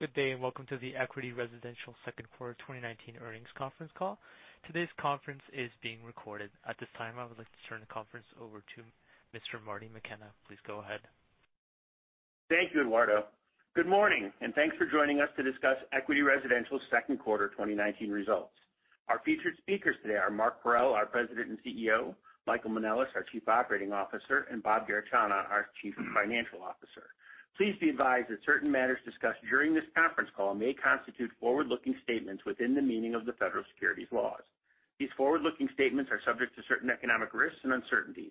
Good day, welcome to the Equity Residential second quarter 2019 earnings conference call. Today's conference is being recorded. At this time, I would like to turn the conference over to Mr. Marty McKenna. Please go ahead. Thank you, Eduardo. Good morning, and thanks for joining us to discuss Equity Residential's second quarter 2019 results. Our featured speakers today are Mark Parrell, our President and CEO, Michael Manelis, our Chief Operating Officer, and Bob Garechana, our Chief Financial Officer. Please be advised that certain matters discussed during this conference call may constitute forward-looking statements within the meaning of the federal securities laws. These forward-looking statements are subject to certain economic risks and uncertainties.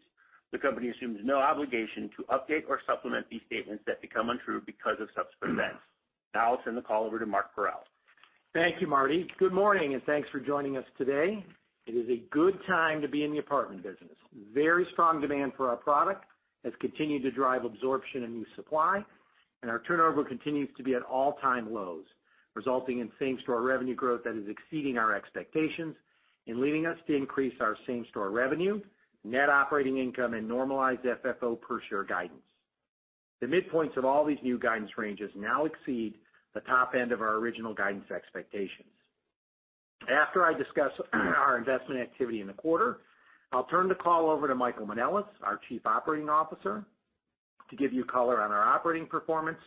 The company assumes no obligation to update or supplement these statements that become untrue because of subsequent events. Now I'll turn the call over to Mark Parrell. Thank you, Marty. Good morning, and thanks for joining us today. It is a good time to be in the apartment business. Very strong demand for our product has continued to drive absorption and new supply, and our turnover continues to be at all-time lows, resulting in same-store revenue growth that is exceeding our expectations and leading us to increase our same-store revenue, net operating income, and normalized FFO per share guidance. The midpoints of all these new guidance ranges now exceed the top end of our original guidance expectations. After I discuss our investment activity in the quarter, I'll turn the call over to Michael Manelis, our Chief Operating Officer, to give you color on our operating performance,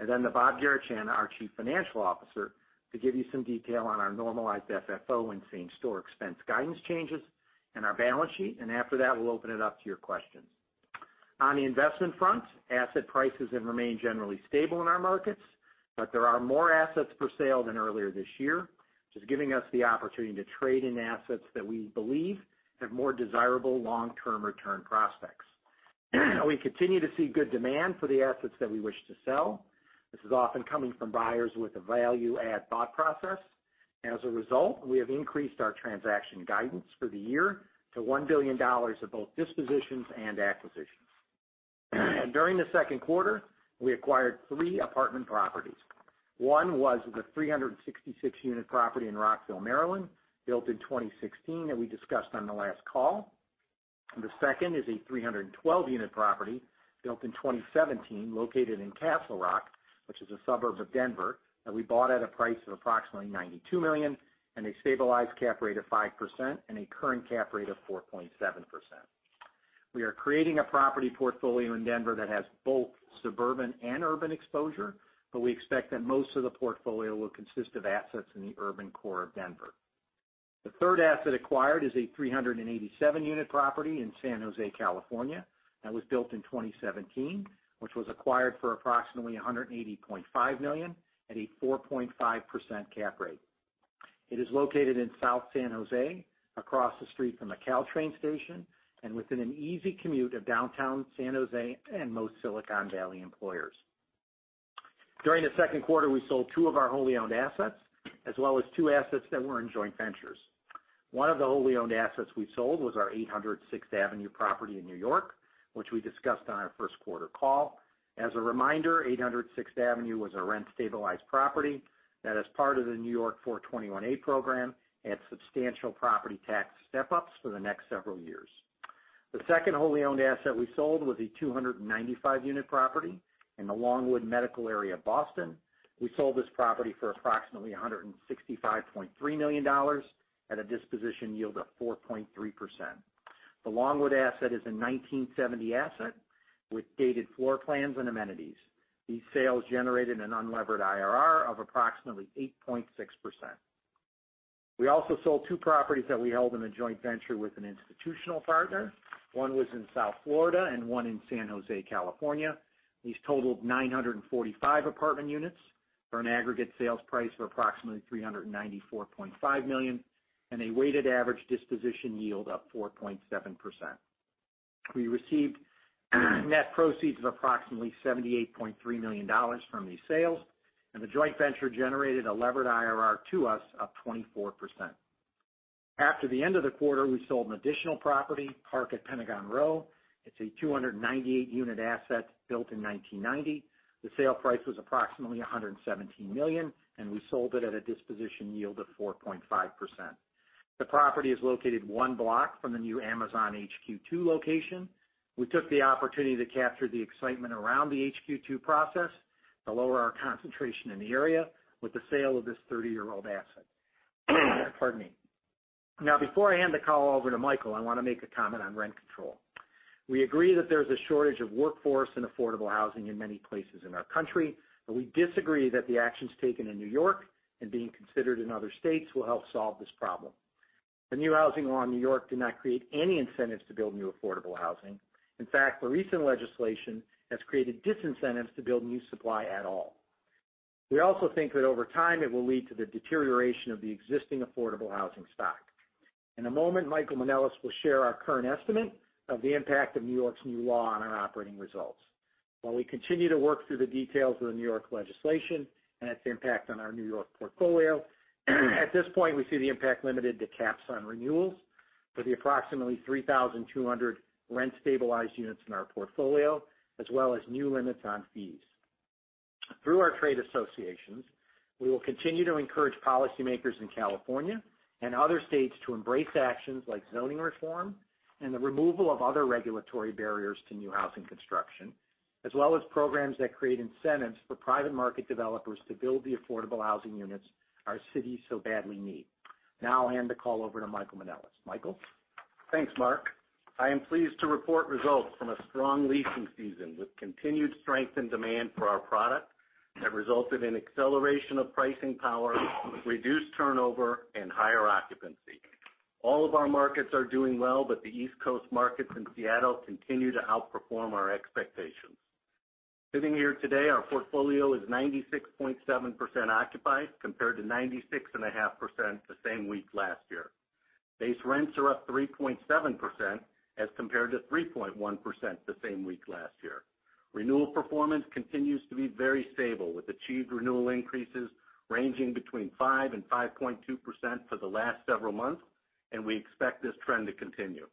and then to Bob Garechana, our Chief Financial Officer, to give you some detail on our normalized FFO and same-store expense guidance changes and our balance sheet. After that, we'll open it up to your questions. On the investment front, asset prices have remained generally stable in our markets, but there are more assets for sale than earlier this year, which is giving us the opportunity to trade in assets that we believe have more desirable long-term return prospects. We continue to see good demand for the assets that we wish to sell. This is often coming from buyers with a value-add thought process. As a result, we have increased our transaction guidance for the year to $1 billion of both dispositions and acquisitions. During the second quarter, we acquired three apartment properties. One was the 366-unit property in Rockville, Maryland, built in 2016, that we discussed on the last call. The second is a 312-unit property built in 2017, located in Castle Rock, which is a suburb of Denver, that we bought at a price of approximately $92 million, with a stabilized cap rate of 5% and a current cap rate of 4.7%. We are creating a property portfolio in Denver that has both suburban and urban exposure, but we expect that most of the portfolio will consist of assets in the urban core of Denver. The third asset acquired is a 387-unit property in San Jose, California, that was built in 2017 which was acquired for approximately $180.5 million at a 4.5% cap rate. It is located in South San Jose, across the street from a Caltrain station and within an easy commute of downtown San Jose and most Silicon Valley employers. During the second quarter, we sold two of our wholly owned assets, as well as two assets that were in joint ventures. One of the wholly owned assets we sold was our 800 Sixth Avenue property in New York, which we discussed on our first quarter call. As a reminder, 800 Sixth Avenue was a rent-stabilized property that is part of the New York 421-a program. It had substantial property tax step-ups for the next several years. The second wholly owned asset we sold was a 295-unit property in the Longwood Medical Area, Boston. We sold this property for approximately $165.3 million at a disposition yield of 4.3%. The Longwood asset is a 1970 asset with dated floor plans and amenities. These sales generated an unlevered IRR of approximately 8.6%. We also sold two properties that we held in a joint venture with an institutional partner. One was in South Florida and one in San Jose, California. These totaled 945 apartment units for an aggregate sales price of approximately $394.5 million and a weighted average disposition yield of 4.7%. We received net proceeds of approximately $78.3 million from these sales, and the joint venture generated a levered IRR to us of 24%. After the end of the quarter, we sold an additional property, Park at Pentagon Row. It's a 298-unit asset built in 1990. The sale price was approximately $117 million, and we sold it at a disposition yield of 4.5%. The property is located one block from the new Amazon HQ2 location. We took the opportunity to capture the excitement around the HQ2 process to lower our concentration in the area with the sale of this 30-year-old asset. Pardon me. Before I hand the call over to Michael, I want to make a comment on rent control. We agree that there's a shortage of workforce and affordable housing in many places in our country. We disagree that the actions taken in New York and being considered in other states will help solve this problem. The new housing law in New York did not create any incentives to build new affordable housing. The recent legislation has created disincentives to build new supply at all. We also think that over time, it will lead to the deterioration of the existing affordable housing stock. In a moment, Michael Manelis will share our current estimate of the impact of New York's new law on our operating results. While we continue to work through the details of the New York legislation and its impact on our New York portfolio, at this point, we see the impact limited to caps on renewals for the approximately 3,200 rent-stabilized units in our portfolio, as well as new limits on fees. Through our trade associations, we will continue to encourage policymakers in California and other states to embrace actions like zoning reform and the removal of other regulatory barriers to new housing construction, as well as programs that create incentives for private market developers to build the affordable housing units our cities so badly need. Now I'll hand the call over to Michael Manelis. Michael? Thanks, Mark. I am pleased to report results from a strong leasing season with continued strength and demand for our product that resulted in acceleration of pricing power, reduced turnover, and higher occupancy. All of our markets are doing well, but the East Coast markets and Seattle continue to outperform our expectations. Sitting here today, our portfolio is 96.7% occupied compared to 96.5% the same week last year. Base rents are up 3.7% compared to 3.1% the same week last year. Renewal performance continues to be very stable, with achieved renewal increases ranging between 5% and 5.2% for the last several months, and we expect this trend to continue.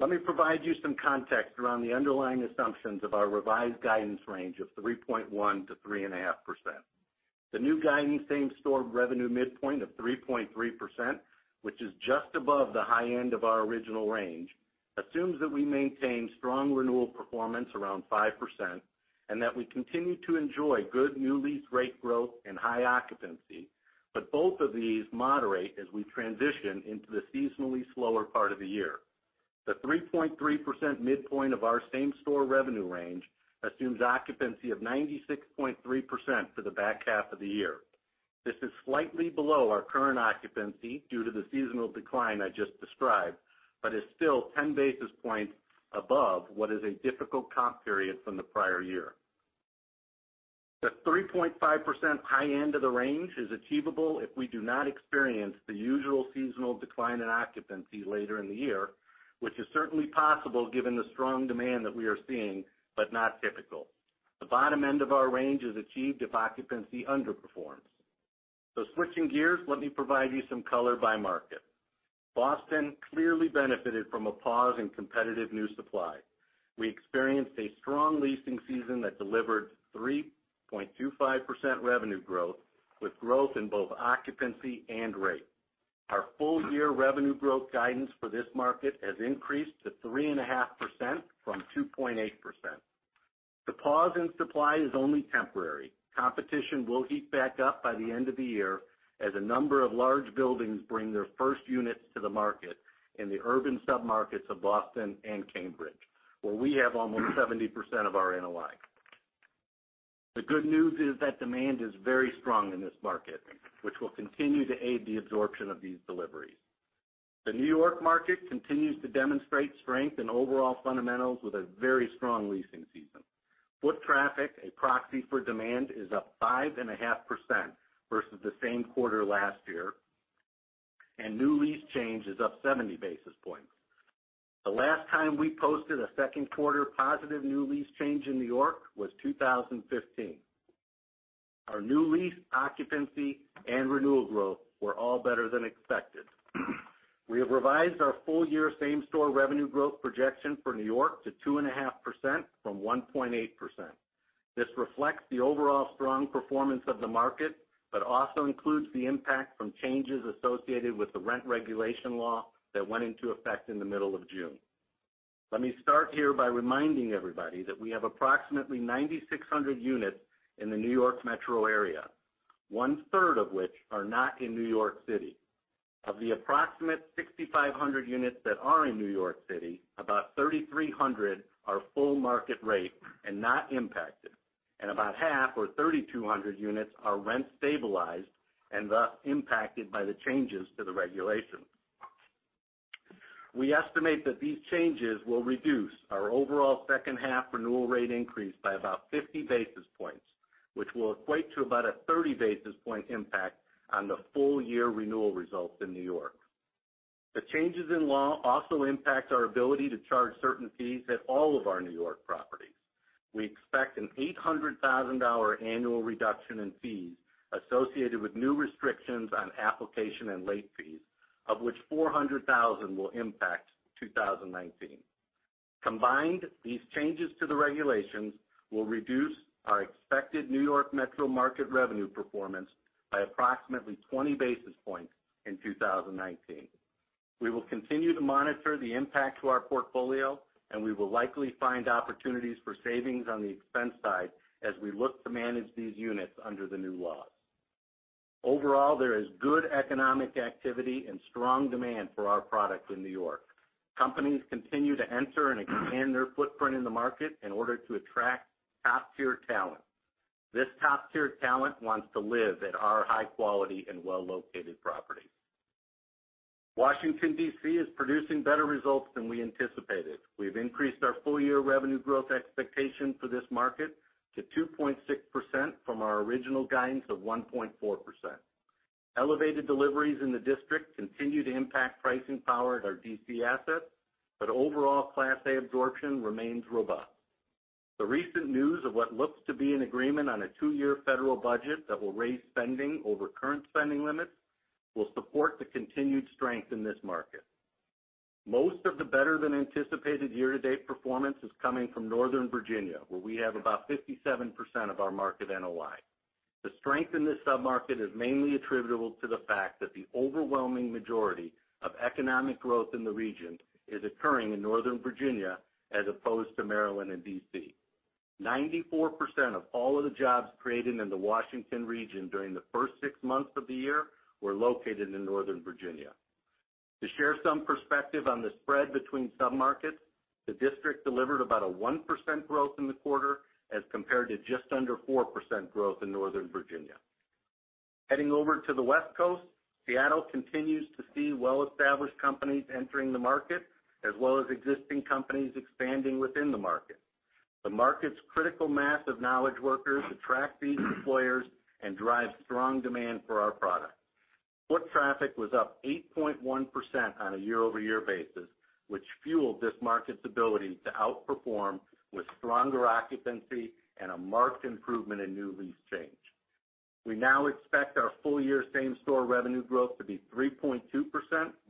Let me provide you with some context around the underlying assumptions of our revised guidance range of 3.1%-3.5%. The new guidance, same-store revenue midpoint of 3.3%, which is just above the high end of our original range, assumes that we maintain strong renewal performance around 5% and that we continue to enjoy good new lease rate growth and high occupancy, but both of these moderate as we transition into the seasonally slower part of the year. The 3.3% midpoint of our same-store revenue range assumes occupancy of 96.3% for the back half of the year. This is slightly below our current occupancy due to the seasonal decline I just described, but is still 10 basis points above what is a difficult comp period from the prior year. The 3.5% high end of the range is achievable if we do not experience the usual seasonal decline in occupancy later in the year, which is certainly possible given the strong demand that we are seeing, but not typical. The bottom end of our range is achieved if occupancy underperforms. Switching gears, let me provide you with some color by market. Boston clearly benefited from a pause in competitive new supply. We experienced a strong leasing season that delivered 3.25% revenue growth with growth in both occupancy and rate. Our full-year revenue growth guidance for this market has increased to 3.5% from 2.8%. The pause in supply is only temporary. Competition will heat back up by the end of the year as a number of large buildings bring their first units to the market in the urban submarkets of Boston and Cambridge, where we have almost 70% of our NOI. The good news is that demand is very strong in this market, which will continue to aid the absorption of these deliveries. The New York market continues to demonstrate strength in overall fundamentals with a very strong leasing season. Foot traffic, a proxy for demand, is up 5.5% versus the same quarter last year, and new lease change is up 70 basis points. The last time we posted a second quarter positive new lease change in New York was 2015. Our new lease occupancy and renewal growth were all better than expected. We have revised our full-year same-store revenue growth projection for New York to 2.5% from 1.8%. This reflects the overall strong performance of the market, but also includes the impact of changes associated with the rent regulation law that went into effect in the middle of June. Let me start here by reminding everybody that we have approximately 9,600 units in the New York metro area, one-third of which are not in New York City. Of the approximately 6,500 units that are in New York City, about 3,300 are full market-rate and not impacted, and about half, or 3,200 units, are rent stabilized and thus impacted by the changes to the regulation. We estimate that these changes will reduce our overall second-half renewal rate increase by about 50 basis points, which will equate to about a 30 basis point impact on the full-year renewal results in New York. The changes in law also impact our ability to charge certain fees at all of our New York properties. We expect an $800,000 annual reduction in fees associated with new restrictions on application and late fees, of which $400,000 will impact 2019. Combined, these changes to the regulations will reduce our expected New York metro market revenue performance by approximately 20 basis points in 2019. We will continue to monitor the impact on our portfolio, and we will likely find opportunities for savings on the expense side as we look to manage these units under the new laws. Overall, there is good economic activity and strong demand for our product in New York. Companies continue to enter and expand their footprint in the market in order to attract top-tier talent. This top-tier talent wants to live at our high-quality and well-located properties. Washington, D.C., is producing better results than we anticipated. We've increased our full-year revenue growth expectation for this market to 2.6% from our original guidance of 1.4%. Elevated deliveries in the district continue to impact pricing power at our D.C. assets, but overall Class A absorption remains robust. The recent news of what looks to be an agreement on a two-year federal budget that will raise spending over current spending limits will support the continued strength in this market. Most of the better-than-anticipated year-to-date performance is coming from Northern Virginia, where we have about 57% of our market NOI. The strength in this sub-market is mainly attributable to the fact that the overwhelming majority of economic growth in the region is occurring in Northern Virginia as opposed to Maryland and D.C. 94% of all of the jobs created in the Washington region during the first six months of the year were located in Northern Virginia. To share some perspective on the spread between sub-markets, the district delivered about a 1% growth in the quarter as compared to just under 4% growth in Northern Virginia. Heading over to the West Coast, Seattle continues to see well-established companies entering the market, as well as existing companies expanding within the market. The market's critical mass of knowledge workers attracts these employers and drives strong demand for our product. Foot traffic was up 8.1% on a year-over-year basis, which fueled this market's ability to outperform with stronger occupancy and a marked improvement in new lease change. We now expect our full-year same-store revenue growth to be 3.2%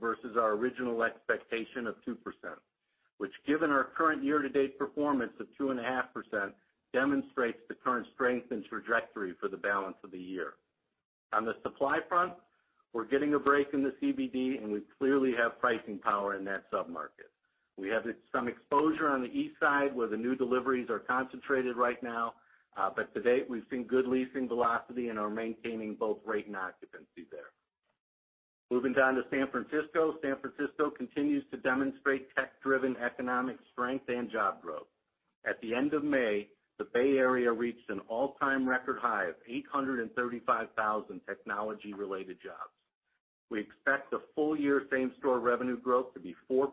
versus our original expectation of 2%, which, given our current year-to-date performance of 2.5%, demonstrates the current strength and trajectory for the balance of the year. On the supply front, we're getting a break in the CBD. We clearly have pricing power in that sub-market. We have some exposure on the east side where the new deliveries are concentrated right now. To date, we've seen good leasing velocity and are maintaining both rate and occupancy there. Moving down to San Francisco. San Francisco continues to demonstrate tech-driven economic strength and job growth. At the end of May, the Bay Area reached an all-time record high of 835,000 technology-related jobs. We expect the full-year same-store revenue growth to be 4%,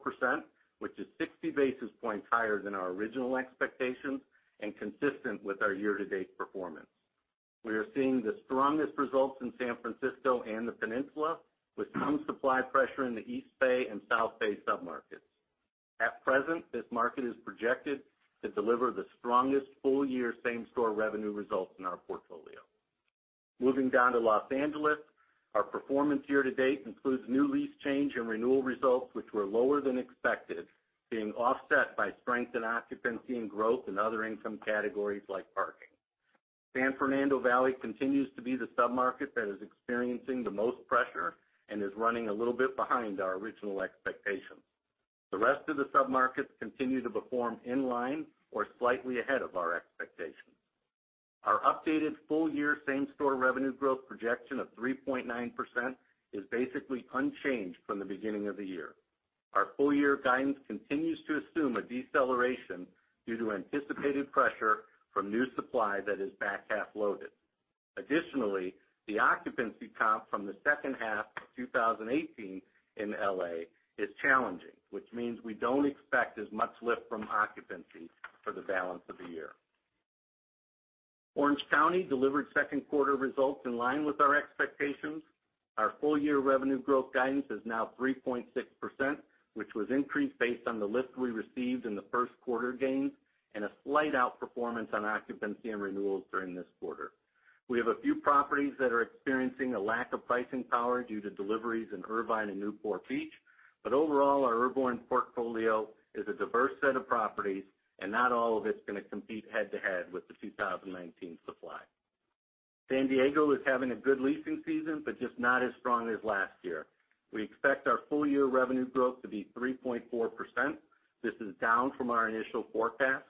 which is 60 basis points higher than our original expectations and consistent with our year-to-date performance. We are seeing the strongest results in San Francisco and the Peninsula, with some supply pressure in the East Bay and South Bay submarkets. At present, this market is projected to deliver the strongest full-year same-store revenue results in our portfolio. Moving down to L.A., our performance year-to-date includes new lease change and renewal results, which were lower than expected, being offset by strength in occupancy and growth in other income categories like parking. San Fernando Valley continues to be the sub-market that is experiencing the most pressure and is running a little bit behind our original expectations. The rest of the submarkets continue to perform in line with or slightly ahead of our expectations. Our updated full-year same-store revenue growth projection of 3.9% is basically unchanged from the beginning of the year. Our full-year guidance continues to assume a deceleration due to anticipated pressure from new supply that is back-half loaded. Additionally, the occupancy comp from the second half of 2018 in L.A. is challenging, which means we don't expect as much lift from occupancy for the balance of the year. Orange County delivered second-quarter results in line with our expectations. Our full-year revenue growth guidance is now 3.6%, which was increased based on the lift we received in the first quarter gains and a slight outperformance on occupancy and renewals during this quarter. We have a few properties that are experiencing a lack of pricing power due to deliveries in Irvine and Newport Beach. Overall, our Irvine portfolio is a diverse set of properties, and not all of it's going to compete head-to-head with the 2019 supply. San Diego is having a good leasing season, just not as strong as last year. We expect our full year revenue growth to be 3.4%. This is down from our initial forecast.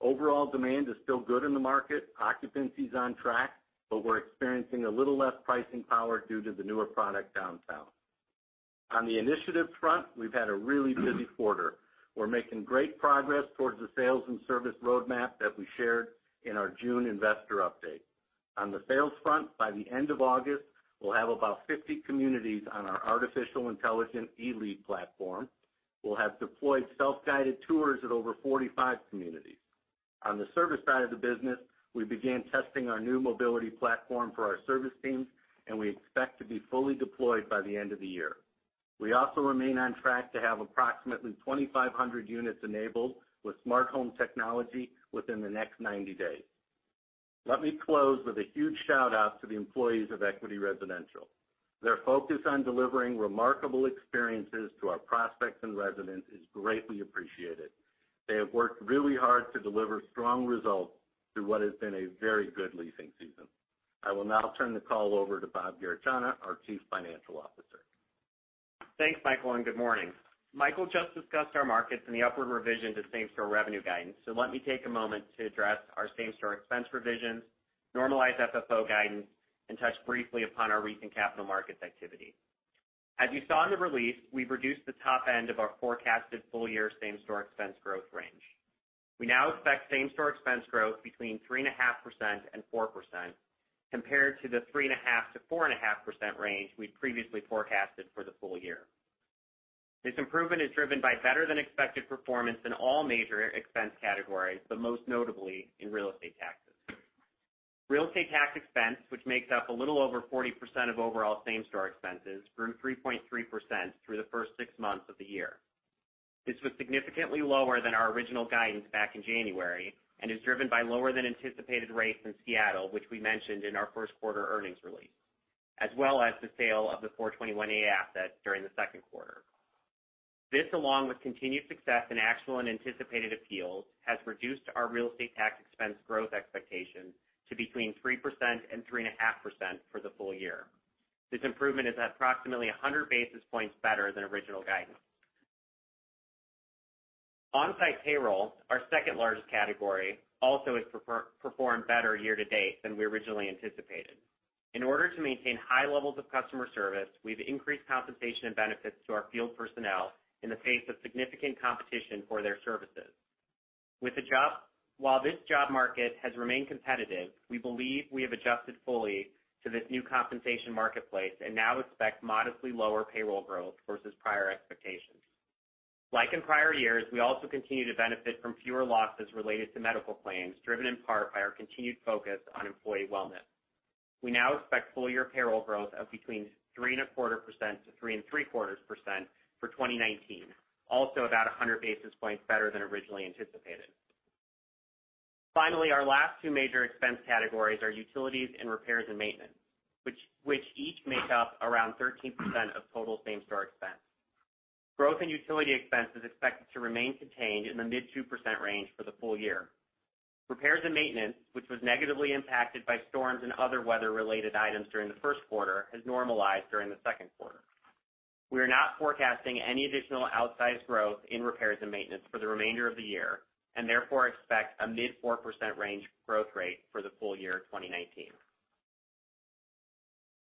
Overall demand is still good in the market. Occupancy is on track, we're experiencing a little less pricing power due to the newer product downtown. On the initiative front, we've had a really busy quarter. We're making great progress towards the Sales and Service roadmap that we shared in our June investor update. On the sales front, by the end of August, we'll have about 50 communities on our artificial intelligence eLead platform. We'll have deployed self-guided tours at over 45 communities. On the service side of the business, we began testing our new mobility platform for our service teams, and we expect to be fully deployed by the end of the year. We also remain on track to have approximately 2,500 units enabled with smart home technology within the next 90 days. Let me close with a huge shout-out to the employees of Equity Residential. Their focus on delivering remarkable experiences to our prospects and residents is greatly appreciated. They have worked really hard to deliver strong results through what has been a very good leasing season. I will now turn the call over to Bob Garechana, our Chief Financial Officer. Thanks, Michael. Good morning. Michael just discussed our markets and the upward revision to same-store revenue guidance. Let me take a moment to address our same-store expense revisions, normalized FFO guidance, and touch briefly upon our recent capital markets activity. As you saw in the release, we've reduced the top end of our forecasted full-year same-store expense growth range. We now expect same-store expense growth between 3.5% and 4%, compared to the 3.5%-4.5% range we'd previously forecasted for the full year. This improvement is driven by better-than-expected performance in all major expense categories, but most notably in real estate taxes. Real estate tax expense, which makes up a little over 40% of overall same-store expenses, grew 3.3% through the first six months of the year. This was significantly lower than our original guidance back in January and is driven by lower-than-anticipated rates in Seattle, which we mentioned in our first quarter earnings release, as well as the sale of the 421-a asset during the second quarter. This, along with continued success in actual and anticipated appeals, has reduced our real estate tax expense growth expectation to between 3%-3.5% for the full year. This improvement is approximately 100 basis points better than the original guidance. On-site payroll, our second-largest category, has also performed better year-to-date than we originally anticipated. In order to maintain high levels of customer service, we've increased compensation and benefits to our field personnel in the face of significant competition for their services. While this job market has remained competitive, we believe we have adjusted fully to this new compensation marketplace and now expect modestly lower payroll growth versus prior expectations. Like in prior years, we also continue to benefit from fewer losses related to medical claims, driven in part by our continued focus on employee wellness. We now expect full-year payroll growth of between 3.25%-3.75% for 2019, also about 100 basis points better than originally anticipated. Our last two major expense categories are utilities and repairs and maintenance, which each make up around 13% of total same-store expense. Growth in utility expense is expected to remain contained in the mid-2% range for the full year. Repairs and maintenance, which was negatively impacted by storms and other weather-related items during the first quarter, have normalized during the second quarter. We are not forecasting any additional outsized growth in repairs and maintenance for the remainder of the year; therefore, we expect a mid-4% range growth rate for the full year 2019.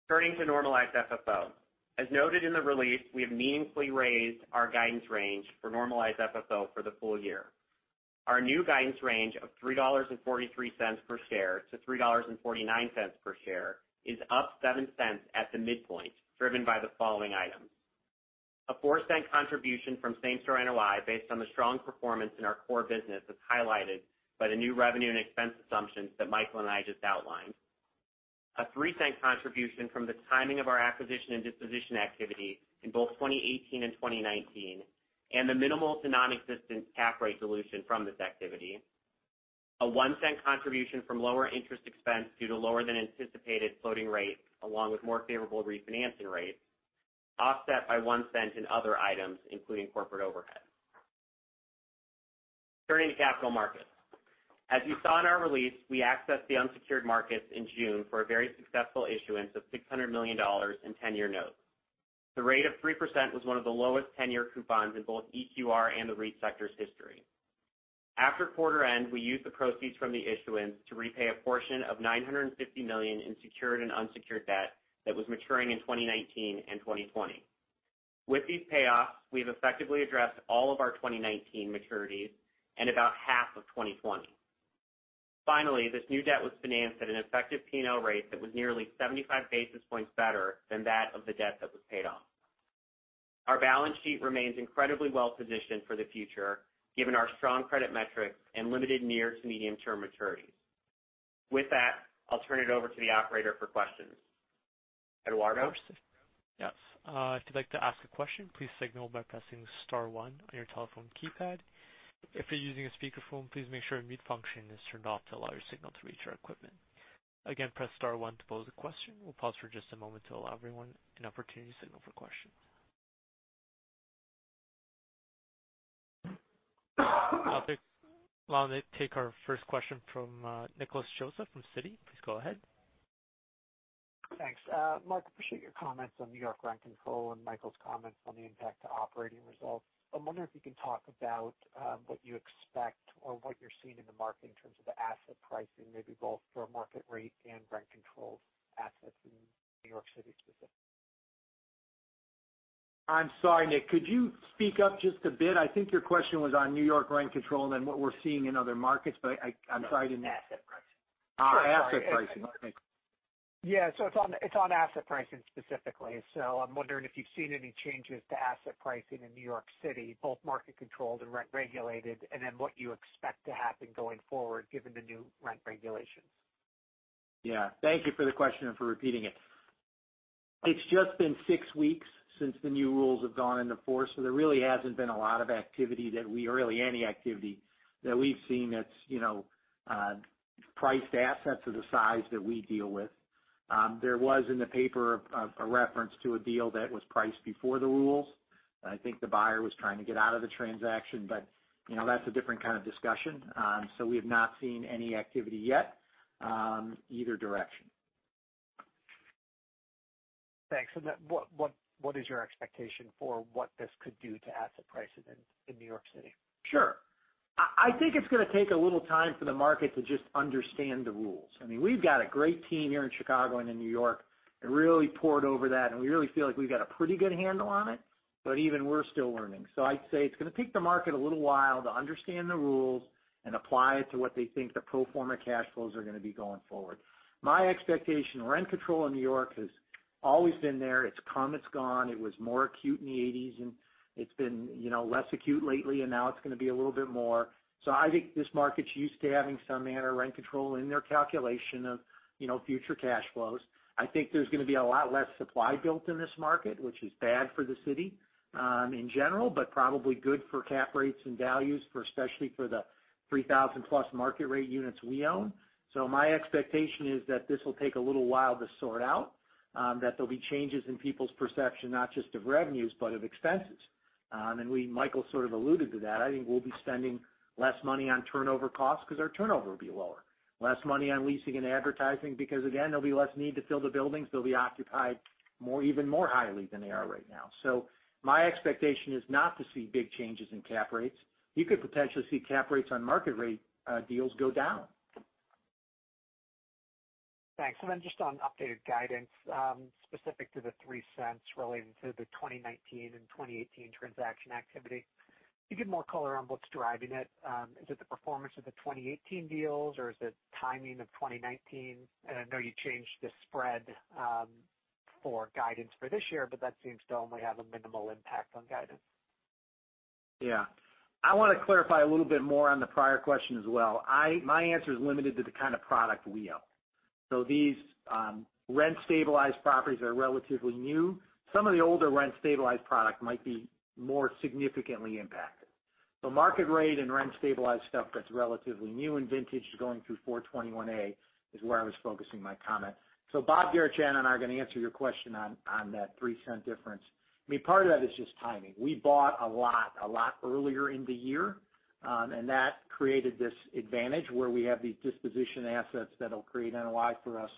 Turning to normalized FFO. As noted in the release, we have meaningfully raised our guidance range for normalized FFO for the full year. Our new guidance range of $3.43 per share to $3.49 per share is up $0.07 at the midpoint, driven by the following items. A $0.04 contribution from same-store NOI based on the strong performance in our core business, as highlighted by the new revenue and expense assumptions that Michael and I just outlined. A $0.03 contribution from the timing of our acquisition and disposition activity in both 2018 and 2019, and the minimal to non-existent cap rate dilution from this activity. A $0.01 contribution from lower interest expense due to lower-than-anticipated floating rates, along with more favorable refinancing rates, offset by $0.01 in other items, including corporate overhead. Turning to capital markets. As you saw in our release, we accessed the unsecured markets in June for a very successful issuance of $600 million in ten-year notes. The rate of 3% was one of the lowest ten-year coupons in both EQR and the REIT sector's history. After quarter-end, we used the proceeds from the issuance to repay a portion of $950 million in secured and unsecured debt that was maturing in 2019 and 2020. With these payoffs, we've effectively addressed all of our 2019 maturities and about half of 2020. This new debt was financed at an effective P&L rate that was nearly 75 basis points better than that of the debt that was paid off. Our balance sheet remains incredibly well-positioned for the future, given our strong credit metrics and limited near to medium-term maturities. With that, I'll turn it over to the operator for questions. Eduardo? Yes. If you'd like to ask a question, please signal by pressing star one on your telephone keypad. If you're using a speakerphone, please make sure the mute function is turned off to allow your signal to reach our equipment. Again, press star one to pose a question. We'll pause for just a moment to allow everyone an opportunity to signal for questions. I'll take our first question from Nicholas Joseph from Citi. Please go ahead. Thanks. Mark, appreciate your comments on New York rent control and Michael's comments on the impact on operating results. I'm wondering if you can talk about what you expect or what you're seeing in the market in terms of asset pricing, maybe both for market-rate and rent-controlled assets in New York City specifically. I'm sorry, Nick, could you speak up just a bit? I think your question was on New York rent control and what we're seeing in other markets. I'm sorry. No, asset pricing. Asset pricing. Okay. Yeah. It's on asset pricing specifically. I'm wondering if you've seen any changes to asset pricing in New York City, both market-controlled and rent-regulated, and what you expect to happen going forward given the new rent regulations. Yeah. Thank you for the question and for repeating it. It's just been six weeks since the new rules have gone into force, so there really hasn't been a lot of activity, or really any activity, that we've seen that's priced assets of the size that we deal with. There was in the paper a reference to a deal that was priced before the rules. I think the buyer was trying to get out of the transaction, but that's a different kind of discussion. We have not seen any activity yet, in either direction. Thanks. Then what is your expectation for what this could do to asset prices in New York City? Sure. I think it's going to take a little time for the market to just understand the rules. We've got a great team here in Chicago and in New York that really pored over that, and we really feel like we've got a pretty good handle on it, but even we're still learning. I'd say it's going to take the market a little while to understand the rules and apply them to what they think the pro forma cash flows are going to be going forward. My expectation, rent control in New York has always been there. It's come, it's gone. It was more acute in the 1980s, and it's been less acute lately, and now it's going to be a little bit more. I think this market's used to having some manner of rent control in it's calculation of future cash flows. I think there's going to be a lot less supply built in this market, which is bad for the city in general, but probably good for cap rates and values, especially for the 3,000-plus market-rate units we own. My expectation is that this will take a little while to sort out, that there'll be changes in people's perception, not just of revenues, but of expenses. Michael sort of alluded to that. I think we'll be spending less money on turnover costs because our turnover will be lower. Less money on leasing and advertising, because again, there'll be less need to fill the buildings. They'll be occupied even more highly than they are right now. My expectation is not to see big changes in cap rates. You could potentially see cap rates on market-rate deals go down. Thanks. Then, just on updated guidance, specific to the $0.03 relating to the 2019 and 2018 transaction activity. Could you give more color on what's driving it? Is it the performance of the 2018 deals, or is it the timing of 2019? I know you changed the spread for guidance for this year, but that seems to only have a minimal impact on guidance. I want to clarify a little bit more on the prior question as well. My answer is limited to the kind of product we own. These rent-stabilized properties are relatively new. Some of the older rent-stabilized product might be more significantly impacted. The market-rate and rent-stabilized stuff that's relatively new in vintage going through 421-a is where I was focusing my comment. Bob Garechana and I are going to answer your question on that $0.03 difference. Part of that is just timing. We bought a lot earlier in the year, and that created this advantage where we have these disposition assets that will create NOI for us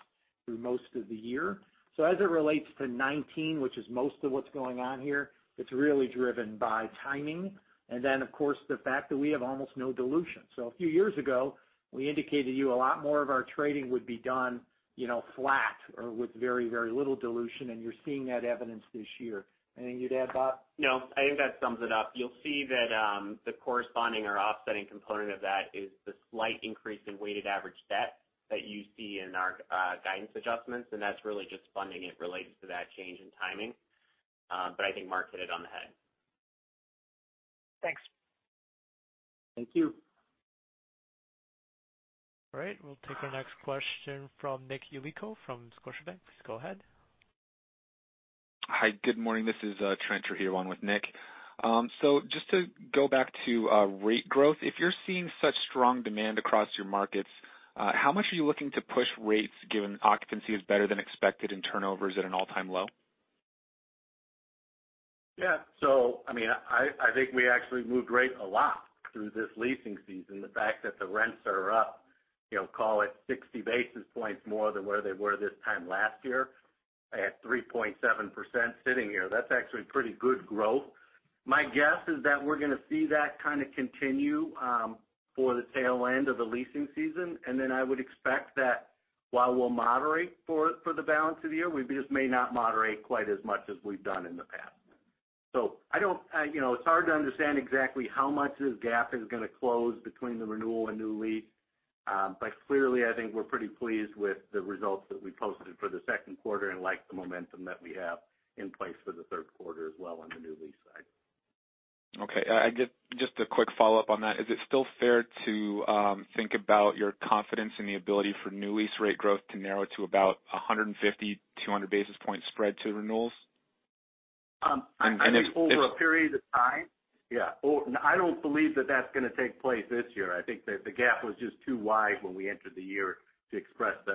through most of the year. As it relates to 2019, which is most of what's going on here, it is really driven by timing. Of course, the fact that we have almost no dilution. A few years ago, we indicated to you a lot more of our trading would be done flat or with very, very little dilution, and you're seeing that evidenced this year. Anything you'd add, Bob? I think that sums it up. You'll see that the corresponding or offsetting component of that is the slight increase in weighted average debt that you see in our guidance adjustments; that's really just funding. It relates to that change in timing. I think Mark hit it on the head. Thanks. Thank you. All right. We'll take our next question from Nick Yulico from Scotiabank. Please go ahead. Hi. Good morning. This is Trent Trujillo with Nick. Just to go back to rate growth, if you're seeing such strong demand across your markets, how much are you looking to push rates given that occupancy is better than expected and turnover is at an all-time low? Yeah. I think we actually moved rates a lot through this leasing season. The fact that the rents are up, call it 60 basis points more than where they were this time last year, at 3.7% sitting here. That's actually pretty good growth. My guess is that we're going to see that kind of continue for the tail end of the leasing season, and then I would expect that while we'll moderate for the balance of the year, we just may not moderate quite as much as we've done in the past. It's hard to understand exactly how much this gap is going to close between the renewal and the new lease. Clearly, I think we're pretty pleased with the results that we posted for the second quarter and like the momentum that we have in place for the third quarter as well on the new lease side. Okay. Just a quick follow-up on that. Is it still fair to think about your confidence in the ability for new lease rate growth to narrow to about a 150, 200 basis point spread to renewals? I think over a period of time, yeah. I don't believe that's going to take place this year. I think that the gap was just too wide when we entered the year to expect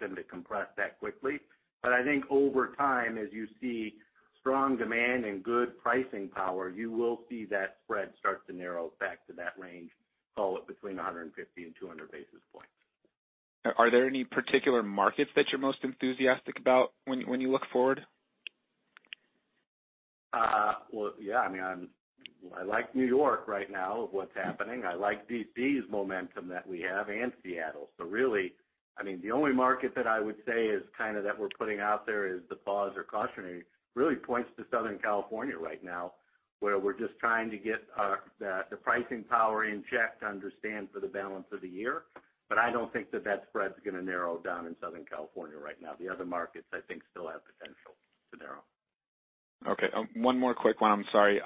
them to compress that quickly. I think over time, as you see strong demand and good pricing power, you will see that spread start to narrow back to that range, call it between 150 and 200 basis points. Are there any particular markets that you're most enthusiastic about when you look forward? Well, yeah. I like New York right now, what's happening. I like D.C.'s momentum that we have, and Seattle. Really, the only market that I would say is kind of what we're putting out there is the pause or cautionary points to Southern California right now, where we're just trying to get the pricing power in check to understand for the balance of the year. I don't think that the spread's going to narrow down in Southern California right now. The other markets, I think, still have potential to narrow. Okay. One more quick one. I'm sorry.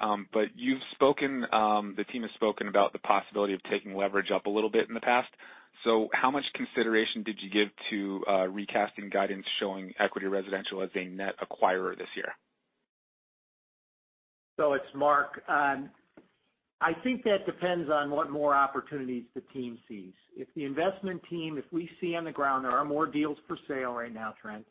You've spoken, and the team has spoken about the possibility of taking leverage up a little bit in the past. How much consideration did you give to recasting guidance showing Equity Residential as a net acquirer this year? It's Mark. I think that depends on what more opportunities the team sees. If the investment team if we see on the ground that there are more deals for sale right now, Trent.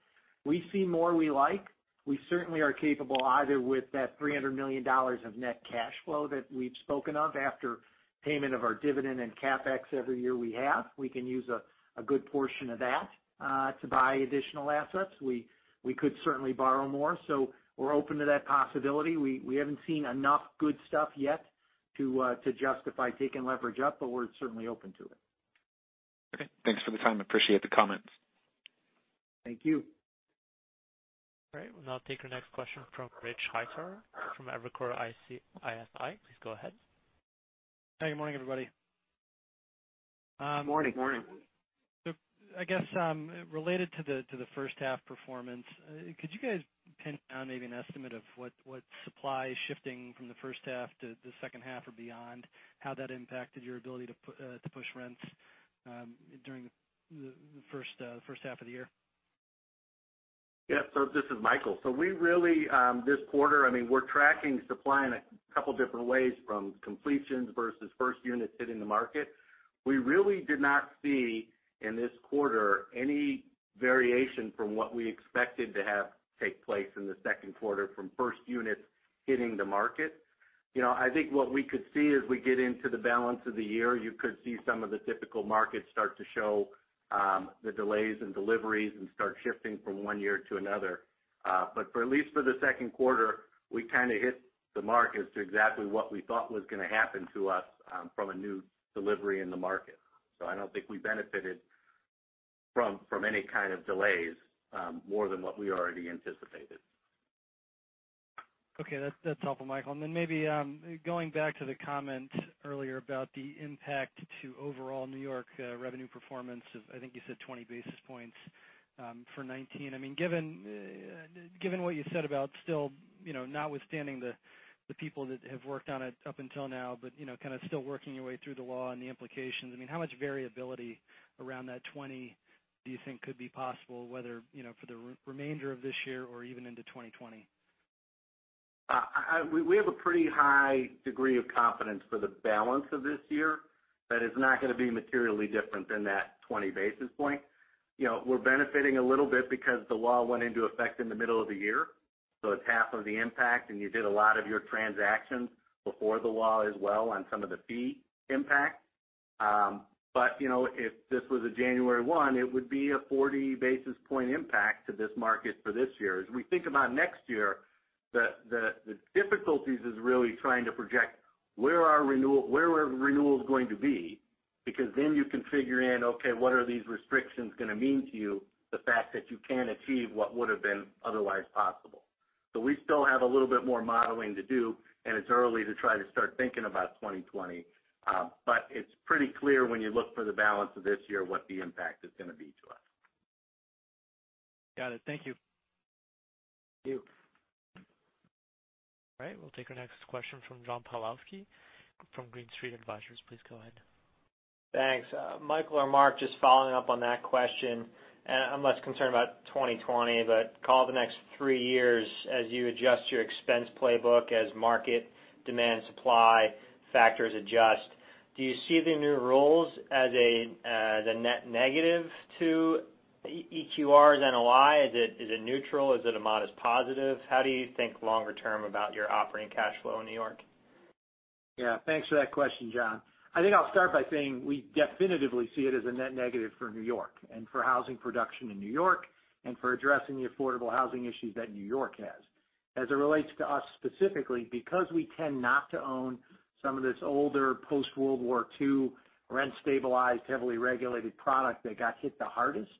We see more we like. We certainly are capable either with that $300 million of net cash flow that we've spoken of after payment of our dividend and CapEx every year we have. We can use a good portion of that to buy additional assets. We could certainly borrow more. We're open to that possibility. We haven't seen enough good stuff yet to justify taking leverage up, but we're certainly open to it. Okay. Thanks for the time. Appreciate the comments. Thank you. All right. We'll now take our next question from Rich Hightower from Evercore ISI. Please go ahead. Hey, good morning, everybody. Morning. Morning. I guess related to the first half performance, could you guys pin down maybe an estimate of what supply is shifting from the first half to the second half or beyond, and how that impacted your ability to push rents during the first half of the year? Yeah. This is Michael. We really this quarter, we're tracking supply in a couple of different ways from completions versus first units hitting the market. We really did not see in this quarter any variation from what we expected to have take place in the second quarter, from the first units hitting the market. I think what we could see as we get into the balance of the year, you could see some of the typical markets start to show the delays in deliveries and start shifting from one year to another. For at least the second quarter, we kind of hit the markets exactly as what we thought was going to happen to us from a new delivery in the market. I don't think we benefited from any kind of delays more than what we already anticipated. Okay. That's helpful, Michael. Then, maybe going back to the comment earlier about the impact on overall New York revenue performance, I think you said 20 basis points for 2019. Given what you said about still, notwithstanding the people that have worked on it up until now, but kind of still working your way through the law and the implications. How much variability around that 20 do you think could be possible, whether for the remainder of this year or even into 2020? We have a pretty high degree of confidence for the balance of this year that it's not going to be materially different than that 20 basis point. We're benefiting a little bit because the law went into effect in the middle of the year, so it's half of the impact, and you did a lot of your transactions before the law as well, on some of the fee impact. If this were January 1, it would be a 40 basis point impact on this market for this year. We think about next year; the difficulty is really trying to project where renewals are going to be, because then you can figure in, okay, what are these restrictions going to mean to you, the fact that you can't achieve what would've been otherwise possible. We still have a little bit more modeling to do, and it's early to try to start thinking about 2020. It's pretty clear, when you look at the balance of this year, what the impact is going to be to us. Got it. Thank you. Thank you. All right. We'll take our next question from John Pawlowski from Green Street Advisors. Please go ahead. Thanks. Michael or Mark, just following up on that question, I'm less concerned about 2020, but call it the next three years as you adjust your expense playbook, as market demand and supply factors adjust, do you see the new rules as a net negative to EQR's NOI? Is it neutral? Is it a modest positive? How do you think longer-term about your operating cash flow in New York? Yeah, thanks for that question, John. I think I'll start by saying we definitely see it as a net negative for New York, and for housing production in New York, and for addressing the affordable housing issues that New York has. As it relates to us specifically, because we tend not to own some of this older post-World War II rent-stabilized, heavily regulated product that got hit the hardest,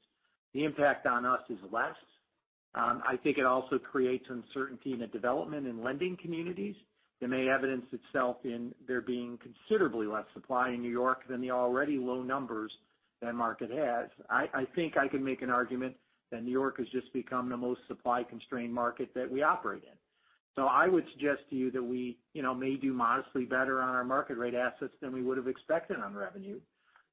the impact on us is less. I think it also creates uncertainty in the development and lending communities that may evidence itself in there being considerably less supply in New York than the already low numbers that the market has. I think I can make an argument that New York has just become the most supply-constrained market that we operate in. I would suggest to you that we may do modestly better on our market-rate assets than we would've expected on revenue.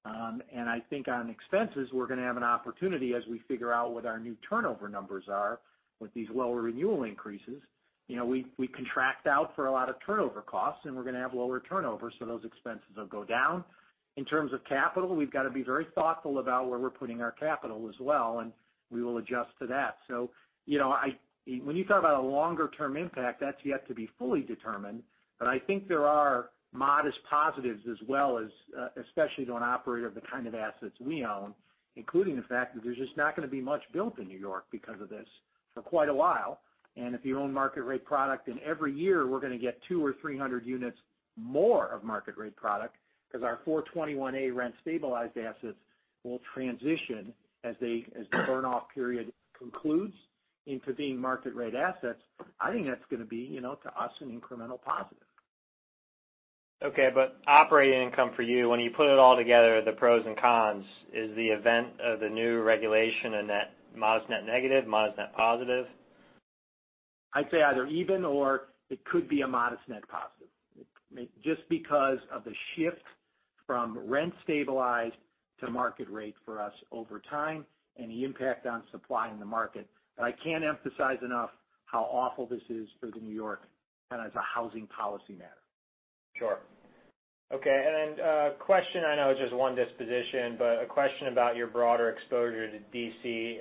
I think on expenses, we're going to have an opportunity as we figure out what our new turnover numbers are with these lower renewal increases. We contract out for a lot of turnover costs, and we're going to have lower turnover, so those expenses will go down. In terms of capital, we've got to be very thoughtful about where we're putting our capital as well, and we will adjust to that. When you talk about a longer-term impact, that's yet to be fully determined, but I think there are modest positives as well, especially to an operator of the kind of assets we own, including the fact that there's just not going to be much built in New York because of this for quite a while. If you own a market-rate product, then every year we're going to get 200 or 300 units more of market-rate product because our 421-a rent-stabilized assets will transition as the burn-off period concludes into being market-rate assets. I think that's going to be to us an incremental positive. Okay. Operating income for you, when you put it all together, the pros and cons, is the event of the new regulation a modest net negative, modest net positive? I'd say either even or it could be a modest net positive. Just because of the shift from rent-stabilized to market-rate for us over time and the impact on supply in the market. I can't emphasize enough how awful this is for New York, kind of as a housing policy matter. Sure. Okay. A question, I know it's just one disposition, but a question about your broader exposure to D.C.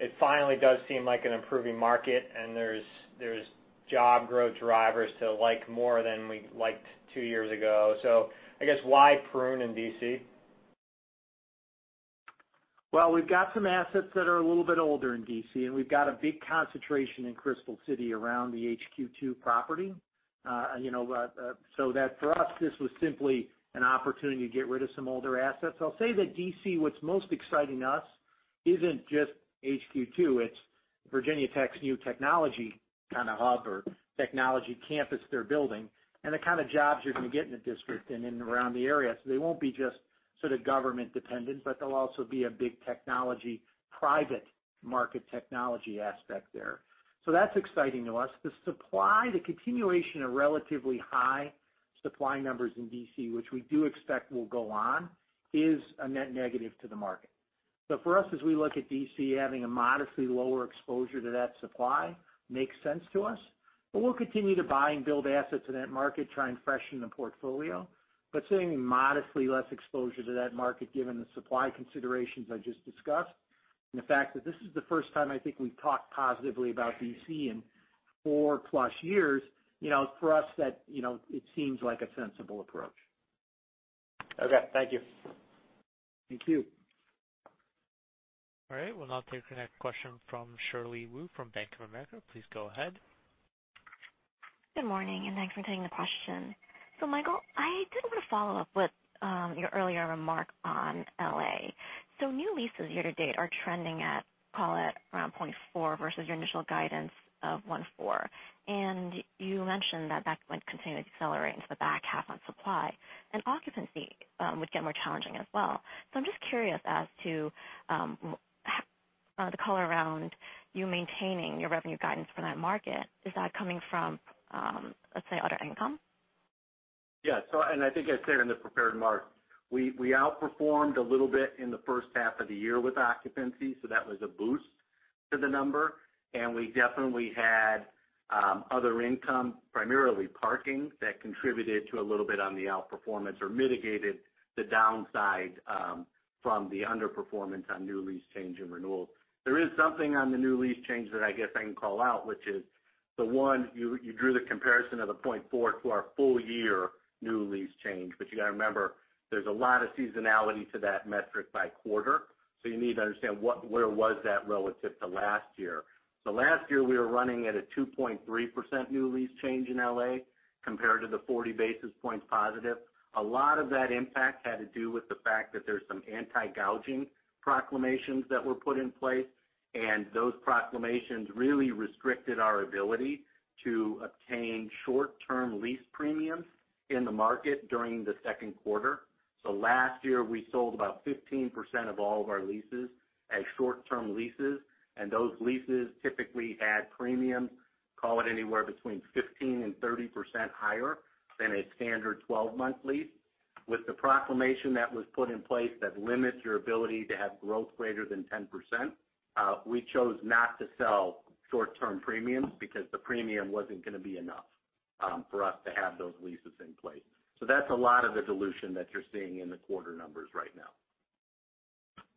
It finally does seem like an improving market, and there's job growth drivers to like more than we liked two years ago. I guess why prune in D.C.? We've got some assets that are a little bit older in D.C., and we've got a big concentration in Crystal City around the HQ2 property. That for us, this was simply an opportunity to get rid of some older assets. I'll say that D.C., what's most exciting to us isn't just HQ2, it's Virginia Tech's new technology kind of hub or technology campus they're building and the kind of jobs you're going to get in the district and in and around the area. They won't be just sort of government-dependent, but they'll also be a big technology, private market technology aspect there. That's exciting to us. The supply, the continuation of relatively high supply numbers in D.C., which we do expect will go on, is a net negative to the market. For us, as we look at D.C., having a modestly lower exposure to that supply makes sense to us. We'll continue to buy and build assets in that market, try and freshen the portfolio. Seeing less exposure to that market modestly, given the supply considerations I just discussed, and the fact that this is the first time I think we've talked positively about D.C. in four-plus years, for us, it seems like a sensible approach. Okay. Thank you. Thank you. All right. We'll now take the next question from Shirley Wu from Bank of America. Please go ahead. Good morning, and thanks for taking the question. Michael, I did want to follow up with your earlier remark on L.A. New leases year to date are trending at, call it around 0.4 versus your initial guidance of 1.4. You mentioned that that might continue to accelerate into the back half on supply, and occupancy would get more challenging as well. I'm just curious as to the color around you maintaining your revenue guidance for that market. Is that coming from, let's say, other income? Yeah. I think I said in the prepared remarks that we outperformed a little bit in the first half of the year with occupancy, so that was a boost to the number. We definitely had other income, primarily parking, that contributed to a little bit of the outperformance or mitigated the downside from the underperformance on new lease changes and renewals. There is something on the new lease change that I guess I can call out, which is the one you drew the comparison of the 0.4 to our full year new lease change. You 've to remember, there's a lot of seasonality to that metric by quarter. You need to understand where that was relative to last year. Last year we were running at a 2.3% new lease change in L.A. compared to the 40 basis points positive. A lot of that impact had to do with the fact that there's some anti-gouging proclamations that were put in place, and those proclamations really restricted our ability to obtain short-term lease premiums in the market during the second quarter. Last year, we sold about 15% of all of our leases as short-term leases, and those leases typically add premiums, call it anywhere between 15%-30% higher than a standard 12-month lease. With the proclamation that was put in place that limits your ability to have growth greater than 10%, we chose not to sell short-term premiums because the premium wasn't going to be enough for us to have those leases in place. That's a lot of the dilution that you're seeing in the quarter numbers right now.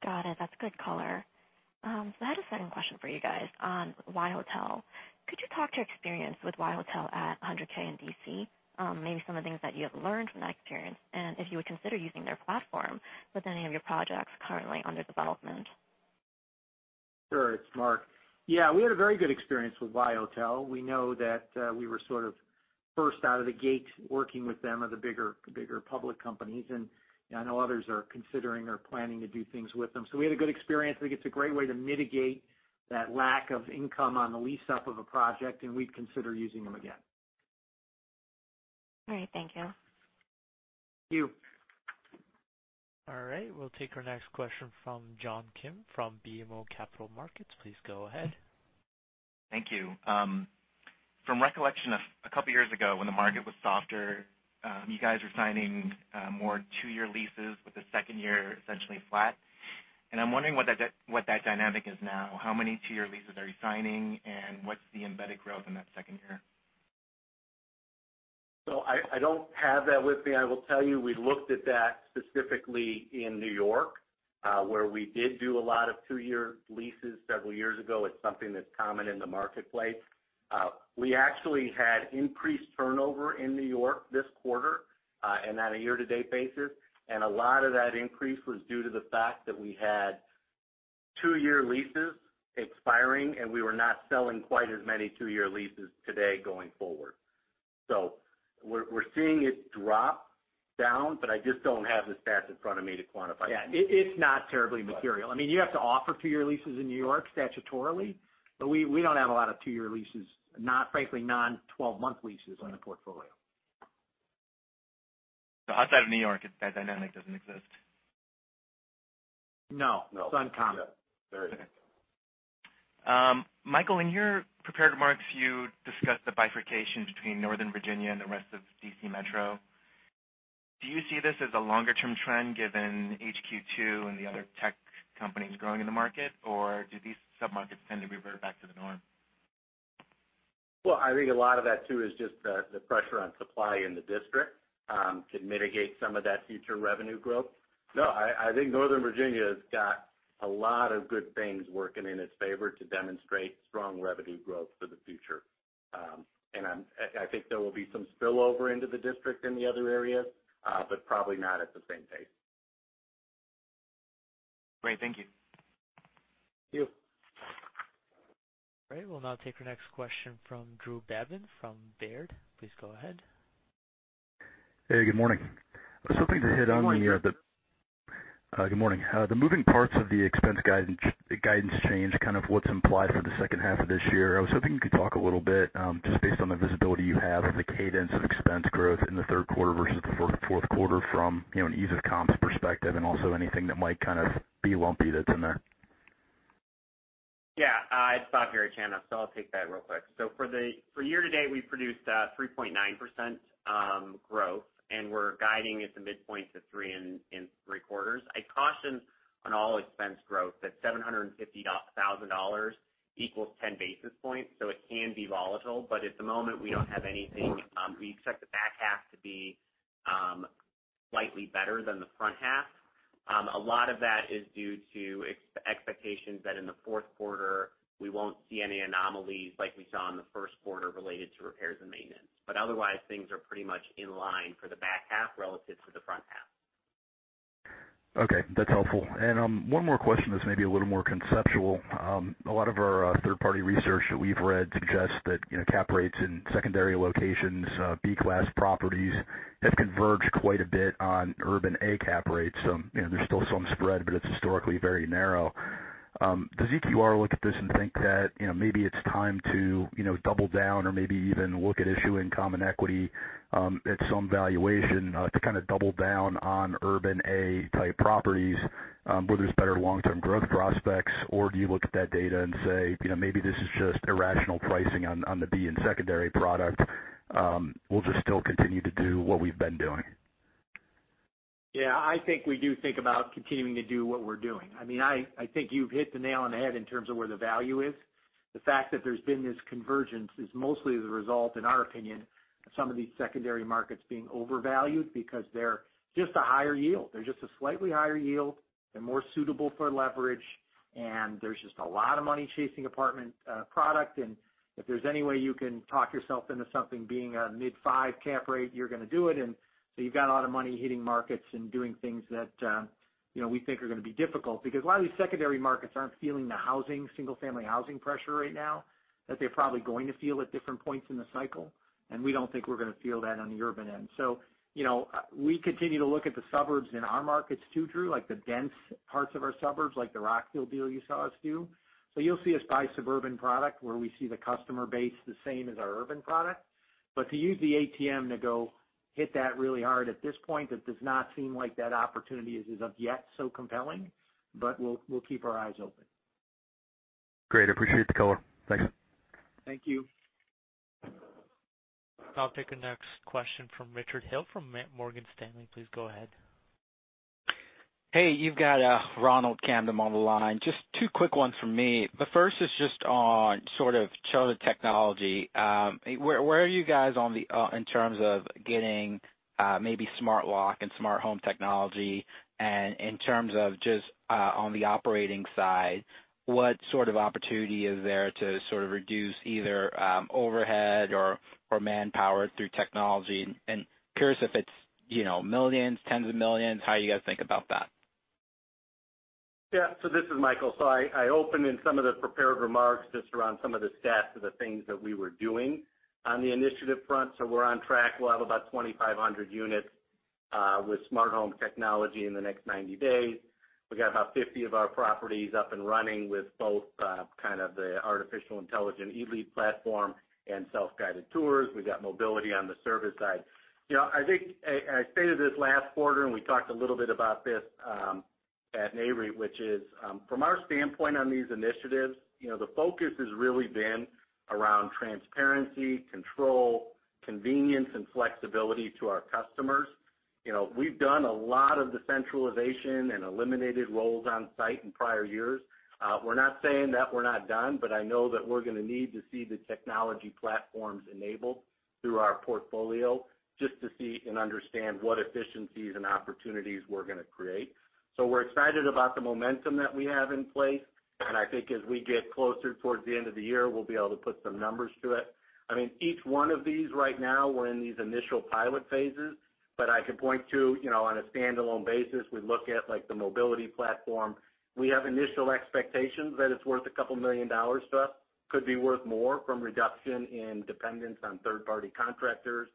Got it. That's a good color. I had a second question for you guys on WhyHotel. Could you talk about your experience with WhyHotel at 100K in D.C.? Maybe some of the things that you have learned from that experience, and if you would consider using their platform with any of your projects currently under development. Sure. It's Mark. Yeah, we had a very good experience with WhyHotel. We know that we were sort of first out of the gate working with them of the bigger public companies, and I know others are considering or planning to do things with them. We had a good experience. I think it's a great way to mitigate that lack of income on the lease-up of a project, and we'd consider using them again. All right. Thank you. Thank you. All right, we'll take our next question from John Kim from BMO Capital Markets. Please go ahead. Thank you. From recollection of a couple of years ago when the market was softer, you guys were signing more two-year leases with the second year essentially flat. I'm wondering what that dynamic is now. How many two-year leases are you signing, and what's the embedded growth in that second year? I don't have that with me. I will tell you, we looked at that specifically in New York, where we did do a lot of two-year leases several years ago. It's something that's common in the marketplace. We actually had increased turnover in New York this quarter and on a year-to-date basis. A lot of that increase was due to the fact that we had two-year leases expiring, and we were not selling quite as many two-year leases today going forward. We're seeing it drop down, but I just don't have the stats in front of me to quantify. Yeah. It's not terribly material. You have to offer two-year leases in New York statutorily, but we don't have a lot of two-year leases, frankly, non-12-month leases in the portfolio. Outside of New York, that dynamic doesn't exist. No. No. It's uncommon. Very uncommon. Michael, in your prepared remarks, you discussed the bifurcation between Northern Virginia and the rest of the D.C. Metro. Do you see this as a longer-term trend given HQ2 and the other tech companies growing in the market, or do these sub-markets tend to revert back to the norm? Well, I think a lot of that, too, is just the pressure on supply in the District to mitigate some of that future revenue growth. I think Northern Virginia has got a lot of good things working in its favor to demonstrate strong revenue growth for the future. I think there will be some spillover into the District in the other areas, but probably not at the same pace. Great. Thank you. Thank you. All right. We'll now take our next question from Drew Babin from Baird. Please go ahead. Hey, good morning. Good morning. Good morning. The moving parts of the expense guidance change-kind of what's implied for the second half of this year-I was hoping you could talk a little bit, just based on the visibility you have of the cadence of expense growth in the third quarter versus the fourth quarter from an ease-of-comps perspective and also anything that might kind of be lumpy that's in there? Yeah. It's Bob Garechana. I'll take that real quick. For year-to-date, we produced 3.9% growth, and we're guiding at the midpoint to three in three quarters. I caution on all expense growth that $750,000 equals 10 basis points. It can be volatile. At the moment, we don't have anything. We expect the back half to be slightly better than the front half. A lot of that is due to expectations that in the fourth quarter, we won't see any anomalies like we saw in the first quarter related to repairs and maintenance. Otherwise, things are pretty much in line for the back half relative to the front half. Okay, that's helpful. One more question that's maybe a little more conceptual. A lot of our third-party research that we've read suggests that cap rates in secondary locations, B-class properties, have converged quite a bit on urban A-cap rates. There's still some spread, but it's historically very narrow. Does EQR look at this and think that maybe it's time to double down or maybe even look at issuing common equity at some valuation to kind of double down on urban A-type properties where there's better long-term growth prospects? Do you look at that data and say, maybe this is just irrational pricing on the B and secondary product, we'll just still continue to do what we've been doing? Yeah, I think we do think about continuing to do what we're doing. I think you've hit the nail on the head in terms of where the value is. The fact that there's been this convergence is mostly the result, in our opinion, of some of these secondary markets being overvalued because they're just a higher yield. They're just a slightly higher yield. They're more suitable for leverage, and there's just a lot of money chasing apartment product, and if there's any way you can talk yourself into something being a mid-five cap rate, you're going to do it. You've got a lot of money hitting markets and doing things that we think are going to be difficult. A lot of these secondary markets aren't feeling the single-family housing pressure right now that they're probably going to feel at different points in the cycle. We don't think we're going to feel that on the urban end. We continue to look at the suburbs in our markets, too, Drew, like the dense parts of our suburbs, like the Rockville deal you saw us do. To use the ATM to go hit that really hard, at this point, it does not seem like that opportunity is as of yet so compelling. We'll keep our eyes open. Great. I appreciate the color. Thanks. Thank you. I'll take the next question from Richard Hill from Morgan Stanley. Please go ahead. Hey, you've got Ronald Kamdem on the line. Just two quick ones from me. The first is just on a sort of smarter technology. Where are you guys in terms of getting maybe smart lock and smart home technology? In terms of just the operating side, what sort of opportunity is there to sort of reduce either overhead or manpower through technology? Curious if it's millions, tens of millions, how you guys think about that. This is Michael. I opened with some of the prepared remarks, just around some of the stats of the things that we were doing on the initiative front. We're on track. We'll have about 2,500 units with smart home technology in the next 90 days. We've got about 50 of our properties up and running with both kinds of artificial intelligence, eLead platform, and self-guided tours. We've got mobility on the service side. I think I stated this last quarter, and we talked a little bit about this at Nareit. From our standpoint on these initiatives, the focus has really been around transparency, control, convenience, and flexibility for our customers. We've done a lot of the centralization and eliminated roles on site in prior years. We're not saying that we're not done. I know that we're going to need to see the technology platforms enabled through our portfolio just to see and understand what efficiencies and opportunities we're going to create. We're excited about the momentum that we have in place, and I think as we get closer to the end of the year, we'll be able to put some numbers to it. Each one of these right now, we're in these initial pilot phases, but I can point to on a standalone basis, we look at the mobility platform. We have initial expectations that it's worth a couple of million dollars to us. Could be worth more from reduction in dependence on third-party contractors,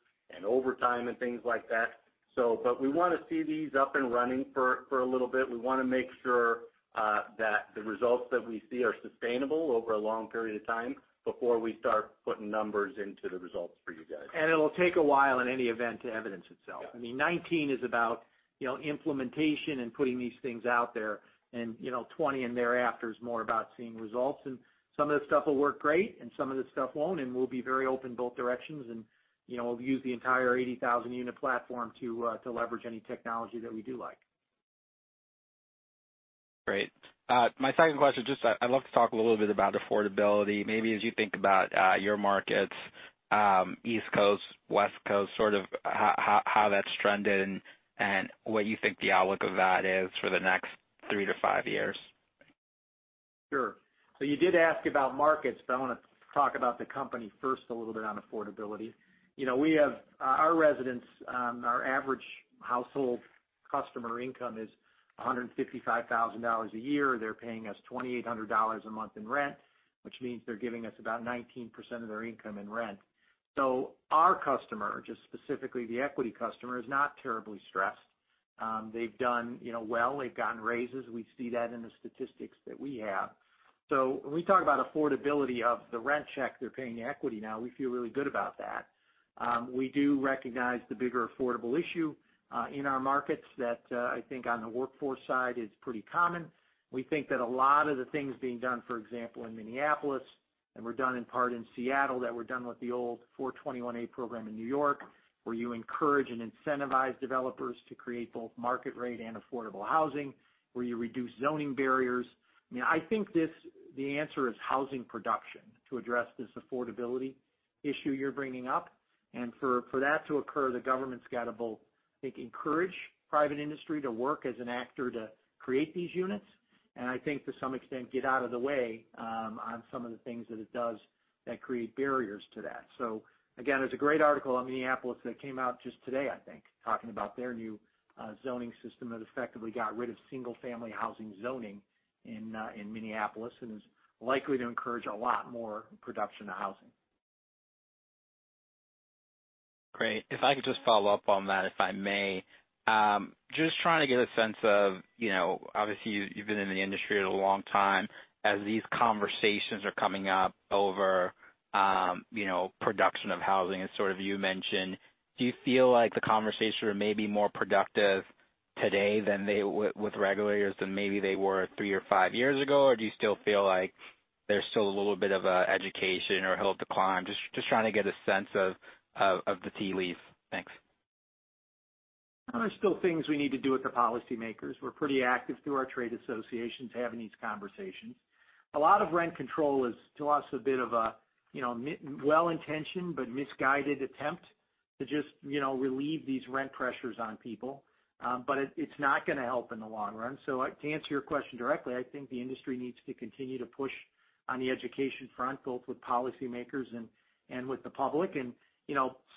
overtime, and things like that. We want to see these up and running for a little bit. We want to make sure that the results that we see are sustainable over a long period of time before we start putting numbers into the results for you guys. It'll take a while, in any event, to evidence itself. Yeah. 2019 is about implementation and putting these things out there. 2020 and thereafter is more about seeing results. Some of this stuff will work great. Some of this stuff won't. We'll be very open in both directions. We'll use the entire 80,000-unit platform to leverage any technology that we do like. Great. My second question just I'd love to talk a little bit about affordability. Maybe as you think about your markets, East Coast, West Coast, sort of how that's trended and what you think the outlook for that is for the next three to five years. Sure. You did ask about markets, but I want to talk about the company first, a little bit on affordability. Our residents' our average household customer income is $155,000 a year. They're paying us $2,800 a month in rent, which means they're giving us about 19% of their income in rent. Our customer, just specifically the Equity customer, is not terribly stressed. They've done well. They've gotten raises. We see that in the statistics that we have. When we talk about the affordability of the rent check they're paying to Equity now, we feel really good about that. We do recognize the bigger affordable issue in our markets which I think on the workforce side is pretty common. We think that a lot of the things being done, for example, in Minneapolis, and were done in part in Seattle, that were done with the old 421-a program in New York, where you encourage and incentivize developers to create both market-rate and affordable housing, where you reduce zoning barriers. I think the answer is housing production to address this affordability issue you're bringing up. For that to occur, the government's got to, I think, both encourage private industry to work as an actor to create these units and I think to some extent, get out of the way on some of the things that it does that create barriers to that. Again, there's a great article on Minneapolis that came out just today, I think, talking about their new zoning system that effectively got rid of single-family housing zoning in Minneapolis and is likely to encourage a lot more production of housing. Great. If I could just follow up on that, if I may. Just trying to get a sense of, obviously, you've been in the industry a long time. As these conversations are coming up over the production of housing, as sort of you mentioned, do you feel like the conversations are maybe more productive today with regulators than maybe they were three or five years ago? Do you still feel like there's a little bit of education or a hill to climb? Just trying to get a sense of the tea leaf. Thanks. There's still things we need to do with the policymakers. We're pretty active through our trade associations, having these conversations. A lot of rent control is, to us, a bit of a well-intentioned but misguided attempt to just relieve these rent pressures on people. It's not going to help in the long run. To answer your question directly, I think the industry needs to continue to push on the education front, both with policymakers and with the public.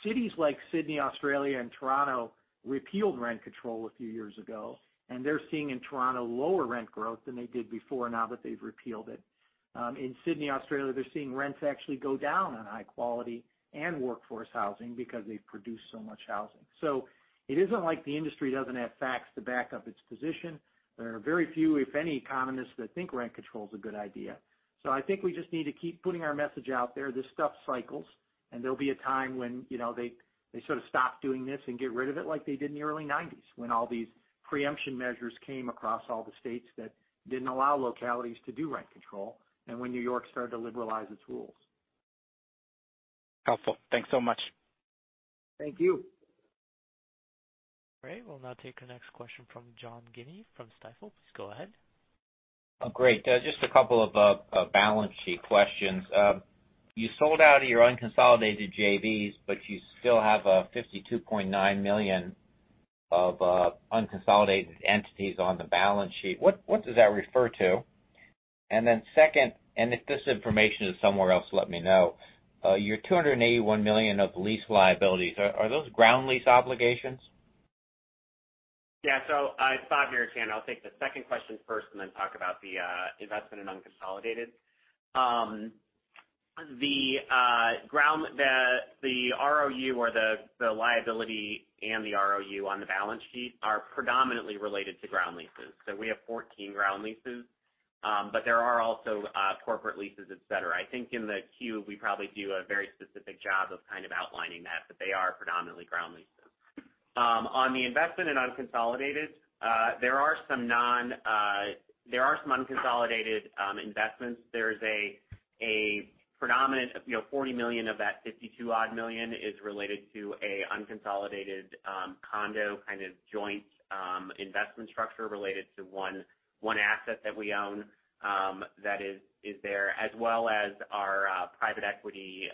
Cities like Sydney, Australia, and Toronto repealed rent control a few years ago, and they're seeing lower rent growth in Toronto than they did before, now that they've repealed it. In Sydney, Australia, they're seeing rents actually go down on high-quality and workforce housing because they've produced so much housing. It isn't like the industry doesn't have facts to back up its position. There are very few, if any, economists who think rent control is a good idea. I think we just need to keep putting our message out there. This stuff cycles, and there'll be a time when they sort of stop doing this and get rid of it like they did in the early 1990s, when all these preemption measures came across all the states that didn't allow localities to do rent control, and when New York started to liberalize its rules. Helpful. Thanks so much. Thank you. Great. We'll now take our next question from John Guinee from Stifel. Please go ahead. Great. Just a couple of balance sheet questions. You sold out of your unconsolidated JVs, but you still have $52.9 million of unconsolidated entities on the balance sheet. What does that refer to? Second, if this information is somewhere else, let me know. Are your $281 million of lease liabilities those ground lease obligations? Yeah. It's Bob here again. I'll take the second question first and then talk about the investment in unconsolidated. The ROU or the liability and the ROU on the balance sheet are predominantly related to ground leases. We have 14 ground leases, but there are also corporate leases, et cetera. I think in the Q, we probably do a very specific job of kind of outlining that, but they are predominantly ground leases. On the investment in unconsolidated, there are some unconsolidated investments. There is $40 million of that $52-odd million that is related to an unconsolidated condo kind of joint investment structure related to one asset that we own that is there, as well as our private equity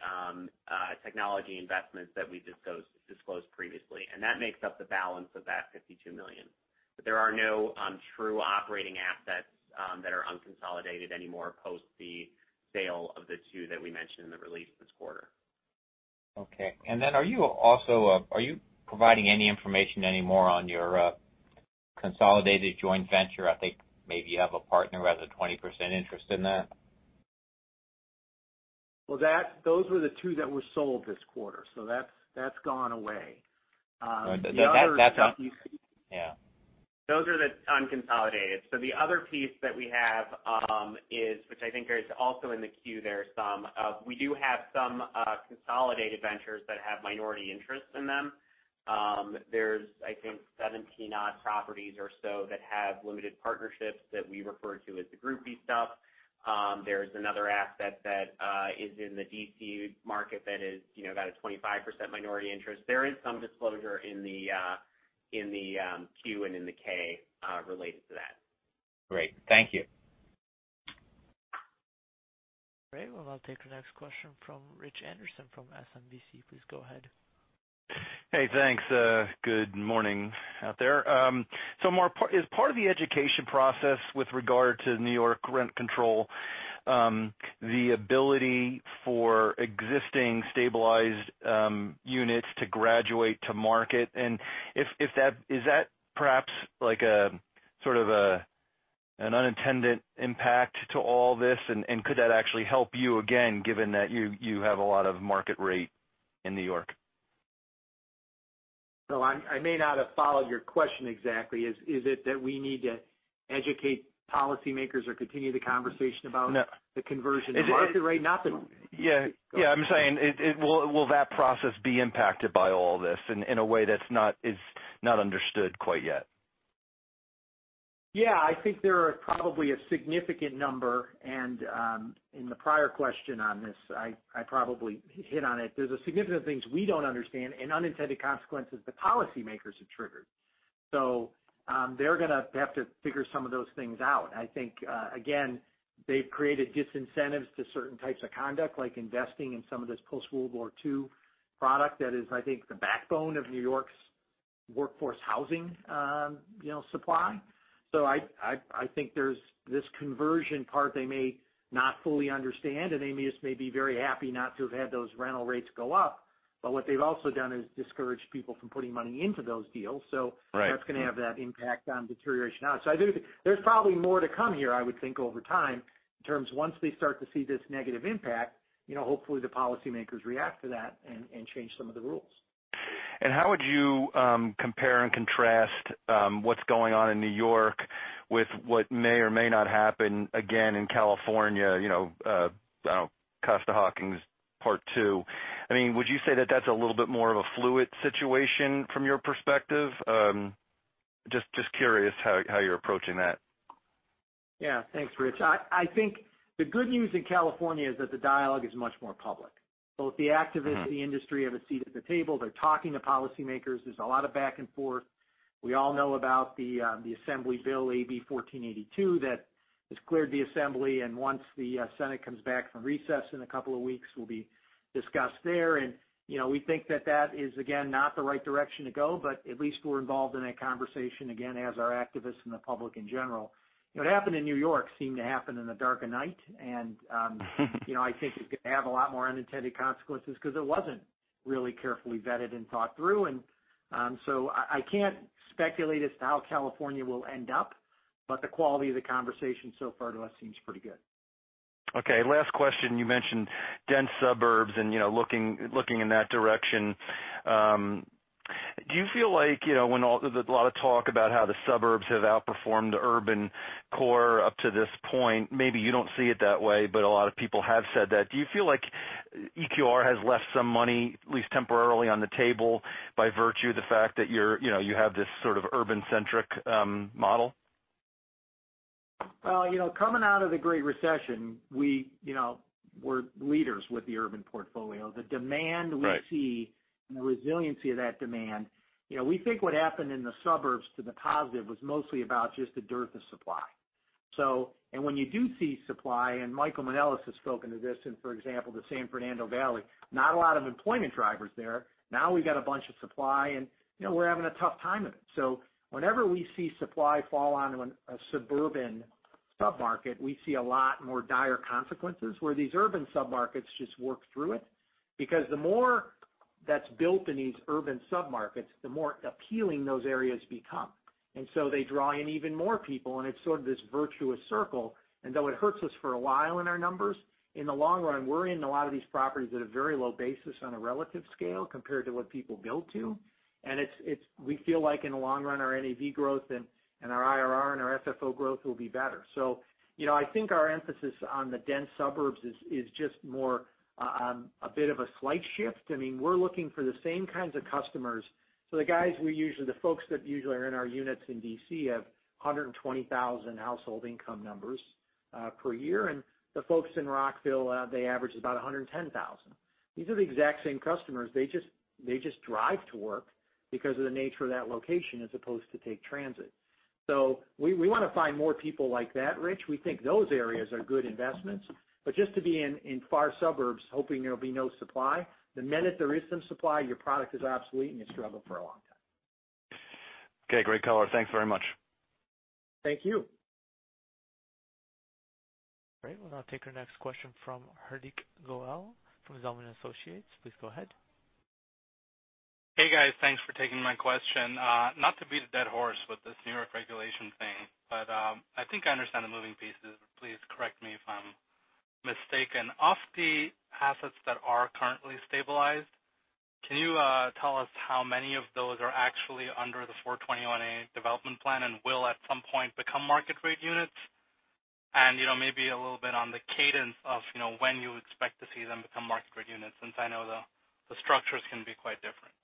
technology investments that we disclosed previously. That makes up the balance of that $52 million. There are no true operating assets that are unconsolidated anymore post the sale of the two that we mentioned in the release this quarter. Okay. Are you providing any information anymore on your consolidated joint venture? I think maybe you have a partner who has a 20% interest in that. Well, those were the two that were sold this quarter. That's gone away. That's gone. Yeah. Those are the unconsolidated. The other piece that we have, which I think is also in the Q, we do have some consolidated ventures that have minority interests in them. There's I think ,17-odd properties or so that have limited partnerships that we refer to as the group B stuff. There's another asset that is in the D.C. market that is about a 25% minority interest. There is some disclosure in the Q and in the K related to that. Great. Thank you. Great. Well, I'll take the next question from Rich Anderson from SMBC. Please go ahead. Hey, thanks. Good morning out there. Mark, is part of the education process with regard to New York rent control, the ability for existing stabilized units to graduate to market? Is that perhaps sort of an unintended impact of all this? Could that actually help you again, given that you have a lot of market-rate in New York? I may not have followed your question exactly. Is it that we need to educate policymakers or continue the conversation about? No The conversion of market-rate. Yeah. I'm saying, will that process be impacted by all this in a way that's not understood quite yet? Yeah. I think there are probably a significant number, and in the prior question on this, I probably hit on it. There's significant things we don't understand and unintended consequences that policymakers have triggered. They're going to have to figure some of those things out. I think, again, they've created disincentives to certain types of conduct, like investing in some of this post-World War II product that is, I think, the backbone of New York's workforce housing supply. I think there's this conversion part they may not fully understand, and they may just be very happy not to have had those rental rates go up. What they've also done is discourage people from putting money into those deals. Right That's going to have that impact on deterioration. There's probably more to come here, I would think, over time, in terms of once they start to see this negative impact, hopefully the policymakers react to that and change some of the rules. How would you compare and contrast what's going on in New York with what may or may not happen again in California, Costa-Hawkins part two? Would you say that that's a little bit more of a fluid situation from your perspective? Just curious how you're approaching that. Yeah. Thanks, Rich. I think the good news in California is that the dialogue is much more public. Both the activists and the industry have a seat at the table. They're talking to policymakers. There's a lot of back and forth. We all know about the assembly bill, AB 1482, that has cleared the assembly, and once the Senate comes back from recess in a couple of weeks, it will be discussed there. We think that that is, again, not the right direction to go, but at least we're involved in that conversation again, as are activists and the public in general. What happened in New York seemed to happen in the dark of night. I think it's going to have a lot more unintended consequences because it wasn't really carefully vetted and thought through. I can't speculate as to how California will end up, but the quality of the conversation so far to us seems pretty good. Okay. Last question. You mentioned dense suburbs and looking in that direction. Do you feel like, when a lot of talk about how the suburbs have outperformed the urban core up to this point, maybe you don't see it that way, but a lot of people have said that? Do you feel like EQR has left some money, at least temporarily, on the table by virtue of the fact that you have this sort of urban-centric model? Coming out of the Great Recession, we're leaders with the urban portfolio. Right The resiliency of that demand, we think, what happened in the suburbs to the positive was mostly about just the dearth of supply. When you do see supply, and Michael Manelis has spoken to this in, for example, the San Fernando Valley, not a lot of employment drivers there. Now we've got a bunch of supply, and we're having a tough time of it. Whenever we see supply fall onto a suburban sub-market, we see a lot more dire consequences where these urban sub-markets just work through it. The more that's built in these urban sub-markets, the more appealing those areas become. They draw in even more people, and it's sort of this virtuous circle. Though it hurts us for a while in our numbers, in the long run, we're in a lot of these properties at a very low basis on a relative scale compared to what people build to. We feel like in the long run, our NAV growth and our IRR and our FFO growth will be better. I think our emphasis on the dense suburbs is just more a bit of a slight shift. We're looking for the same kinds of customers. The folks that usually are in our units in D.C. have $120,000 household income numbers per year, and the folks in Rockville, they average about $110,000. These are the exact same customers. They just drive to work because of the nature of that location, as opposed to take transit. We want to find more people like that, Rich. We think those areas are good investments. Just to be in far suburbs hoping there'll be no supply, the minute there is some supply, your product is obsolete, and you struggle for a long time. Okay. Great color. Thanks very much. Thank you. All right. We'll now take our next question from Hardik Goel from Zelman & Associates. Please go ahead. Hey, guys. Thanks for taking my question. Not to beat a dead horse with this New York regulation thing, I think I understand the moving pieces. Please correct me if I'm mistaken. Of the assets that are currently stabilized, can you tell us how many of those are actually under the 421-a development plan and will at some point become market-rate units? Maybe a little bit on the cadence of when you expect to see them become market-rate units, since I know the structures can be quite different.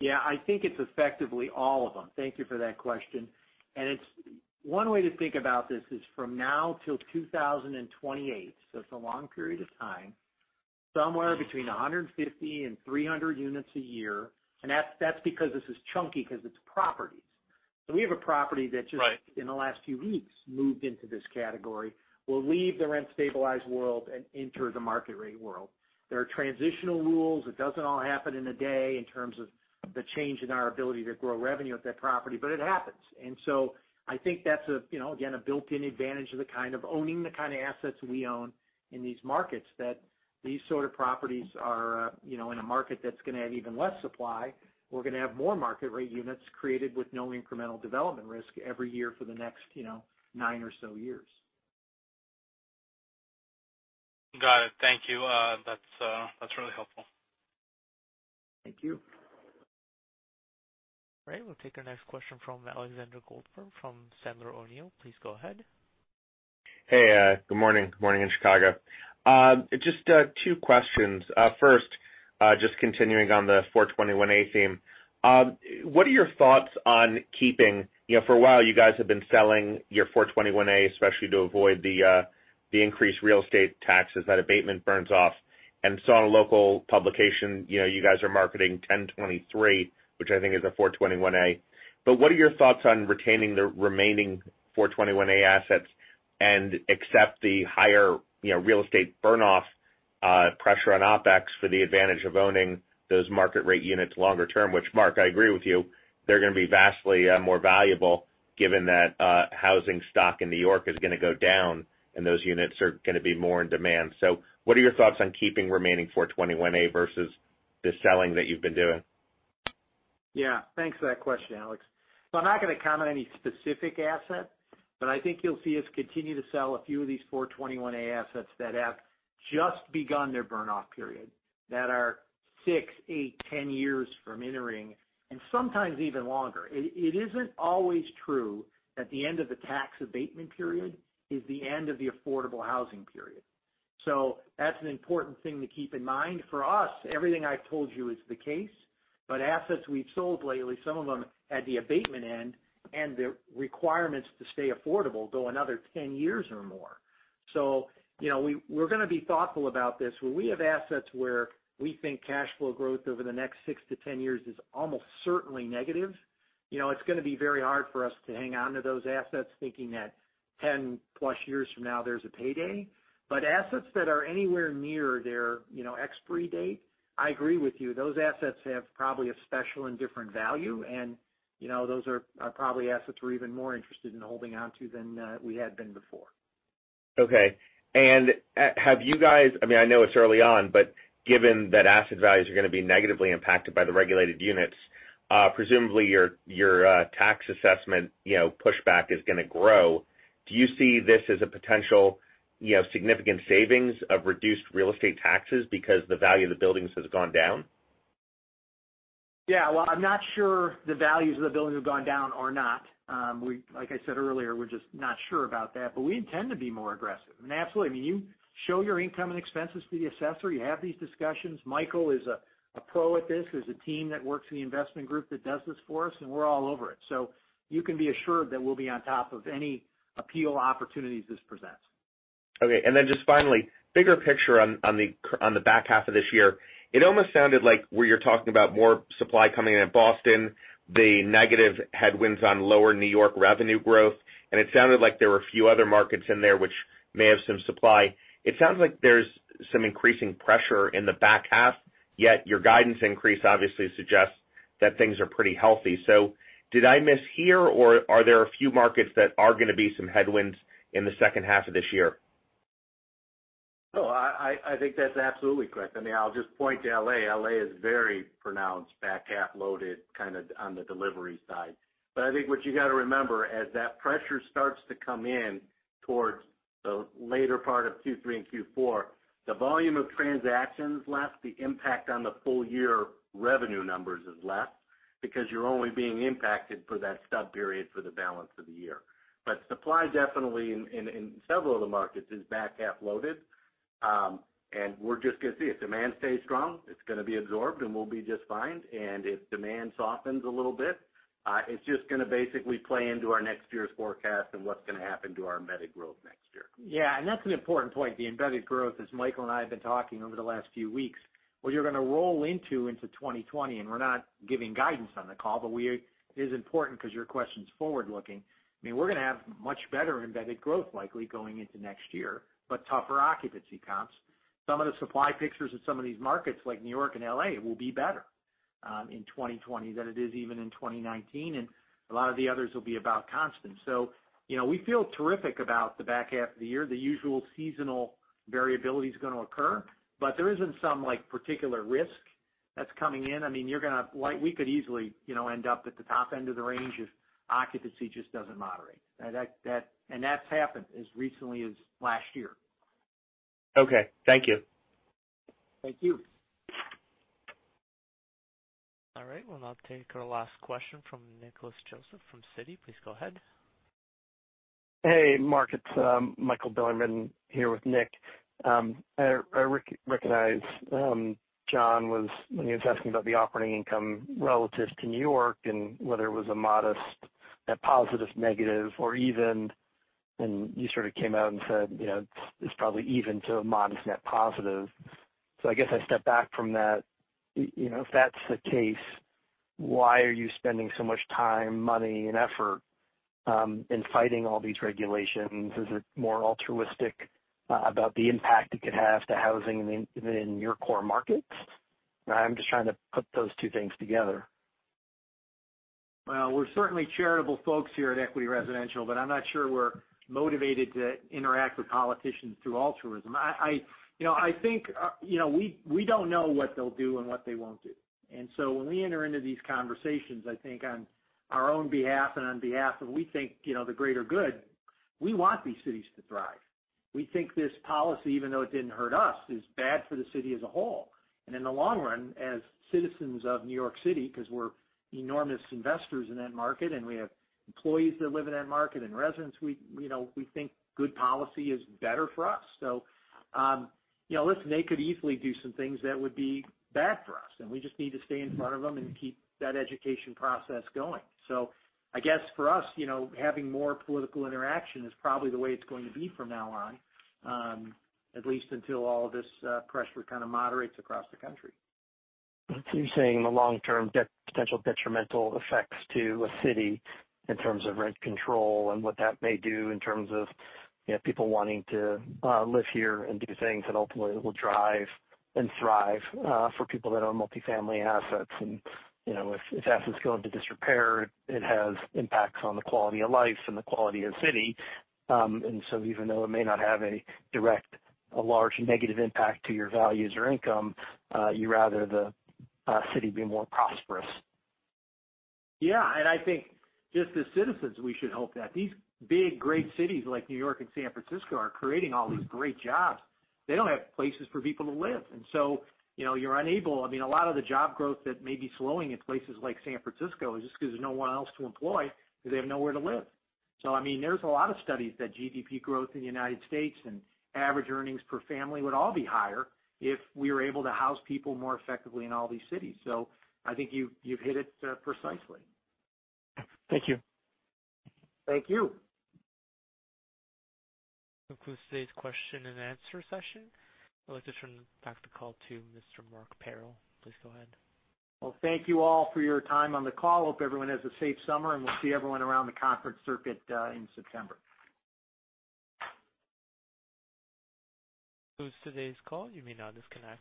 Yeah. I think it's effectively all of them. Thank you for that question. One way to think about this is from now till 2028, so it's a long period of time, somewhere between 150 and 300 units a year, and that's because this is chunky because of it's properties. Right In the last few weeks, moved into this category, will leave the rent-stabilized world and enter the market-rate world. There are transitional rules. It doesn't all happen in a day in terms of the change in our ability to grow revenue at that property, but it happens. So I think that's, again, a built-in advantage of the kind of owning the kind of assets we own in these markets, that these sort of properties are in a market that's going to have even less supply. We're going to have more market-rate units created with no incremental development risk every year for the next nine or so years. Got it. Thank you. That's really helpful. Thank you. All right, we'll take our next question from Alexander Goldfarb from Sandler O'Neill. Please go ahead. Hey, good morning. Good morning in Chicago. Just two questions. First, just continuing on the 421-a theme. What are your thoughts on keeping? For a while, you guys have been selling your 421-a, especially to avoid the increased real estate taxes that abatement burns off, and saw in a local publication you guys are marketing 1023, which I think is a 421-a, what are your thoughts on retaining the remaining 421-a assets and accept the higher real estate burn off pressure on OpEx for the advantage of owning those market-rate units longer term? Which, Mark, I agree with you, they're going to be vastly more valuable given that housing stock in New York is going to go down, and those units are going to be more in demand. What are your thoughts on keeping the remaining 421-a versus the selling that you've been doing? Yeah. Thanks for that question, Alex. I'm not going to comment on any specific asset, but I think you'll see us continue to sell a few of these 421-a assets that have just begun their burn-off period, that are six, eight, or 10 years from entering, and sometimes even longer. It isn't always true that the end of the tax abatement period is the end of the affordable housing period. That's an important thing to keep in mind. For us, everything I've told you is the case, but assets we've sold lately, some of them had the abatement end, and the requirements to stay affordable go another 10 years or more. We're going to be thoughtful about this. When we have assets where we think cash flow growth over the next 6-10 years is almost certainly negative, it's going to be very hard for us to hang on to those assets, thinking that 10 plus years from now, there's a payday. Assets that are anywhere near their expiry date, I agree with you. Those assets probably have a special and different value, and those are probably assets we're even more interested in holding on to than we had been before. Okay. I know it's early on, but given that asset values are going to be negatively impacted by the regulated units, presumably your tax assessment pushback is going to grow. Do you see this as a potential significant savings of reduced real estate taxes because the value of the buildings has gone down? Yeah. Well, I'm not sure whether the values of the buildings have gone down or not. Like I said earlier, we're just not sure about that; we intend to be more aggressive. Absolutely, you show your income and expenses to the assessor, and you have these discussions. Michael is a pro at this. There's a team that works in the investment group that does this for us, and we're all over it. You can be assured that we'll be on top of any appeal opportunities this presents. Okay. Then, just finally, bigger picture on the back half of this year. It almost sounded like you're talking about more supply coming in Boston, the negative headwinds on lower New York revenue growth, and it sounded like there were a few other markets in there that may have some supply. It sounds like there's some increasing pressure in the back half, yet your guidance increase obviously suggests that things are pretty healthy. Did I mishear, or are there a few markets that are going to be some headwinds in the second half of this year? No, I think that's absolutely correct. I'll just point to L.A. L.A. is very pronounced, back half loaded on the delivery side. I think what you got to remember, as that pressure starts to come in towards the later part of Q3 and Q4, the volume of transactions is less, the impact on the full-year revenue numbers is less because you're only being impacted for that stub period for the balance of the year. Supply, definitely in several of the markets, is back half-loaded. We're just going to see. If demand stays strong, it's going to be absorbed and we'll be just fine. If demand softens a little bit, it's just going to basically play into our next year's forecast and what's going to happen to our embedded growth next year. That's an important point, the embedded growth, as Michael Manelis and I have been talking over the last few weeks. What you're going to roll into 2020. We're not giving guidance on the call, but it is important because your question's forward-looking. We're going to have much better embedded growth likely going into next year, but tougher occupancy comps. Some of the supply pictures in some of these markets like New York and L.A. will be better in 2020 than it is even in 2019. A lot of the others will be about constant. We feel terrific about the back half of the year. The usual seasonal variability is going to occur, but there isn't some particular risk that's coming in. We could easily end up at the top end of the range if occupancy just doesn't moderate. That's happened as recently as last year. Okay. Thank you. Thank you. All right. We'll now take our last question from Nicholas Joseph from Citi. Please go ahead. Hey, Mark. It's Michael Bilerman here with Nick. I recognize John was, when he was asking about the operating income relative to New York and whether it was a modest net positive, negative, or even, and you sort of came out and said it's probably even to a modest net positive. I guess I step back from that. If that's the case, why are you spending so much time, money, and effort in fighting all these regulations? Is it more altruistic about the impact it could have on housing within your core markets? I'm just trying to put those two things together. Well, we're certainly charitable folks here at Equity Residential, but I'm not sure we're motivated to interact with politicians through altruism. We don't know what they'll do and what they won't do. When we enter into these conversations, I think on our own behalf and on behalf of, we think, the greater good. We want these cities to thrive. We think this policy, even though it didn't hurt us, is bad for the city as a whole. In the long run, as citizens of New York City, because we're enormous investors in that market, and we have employees that live in that market, and residents, we think good policy is better for us. Listen, they could easily do some things that would be bad for us, and we just need to stay in front of them and keep that education process going. I guess for us, having more political interaction is probably the way it's going to be from now on, at least until all of this pressure kind of moderates across the country. You're saying the long-term potential detrimental effects to a city in terms of rent control and what that may do in terms of people wanting to live here and do things, and ultimately, it will drive and thrive for people that own multi-family assets. If assets go into disrepair, it has an impact on the quality of life and the quality of the city. Even though it may not have a direct, large negative impact on your values or income, you would rather the city be more prosperous. Yeah. I think, just as citizens, we should hope that these big, great cities like New York and San Francisco are creating all these great jobs. They don't have places for people to live, and so you're unable. I mean, a lot of the job growth that may be slowing in places like San Francisco is just because there's no one else to employ because they have nowhere to live. I mean, there's a lot of studies that show GDP growth in the United States and average earnings per family would all be higher if we were able to house people more effectively in all these cities. I think you've hit it precisely. Thank you. Thank you. That concludes today's question-and-answer session. I'd like to turn the call back to Mr. Mark Parrell. Please go ahead. Well, thank you all for your time on the call. Hope everyone has a safe summer, and we'll see everyone around the conference circuit in September. That concludes today's call. You may now disconnect.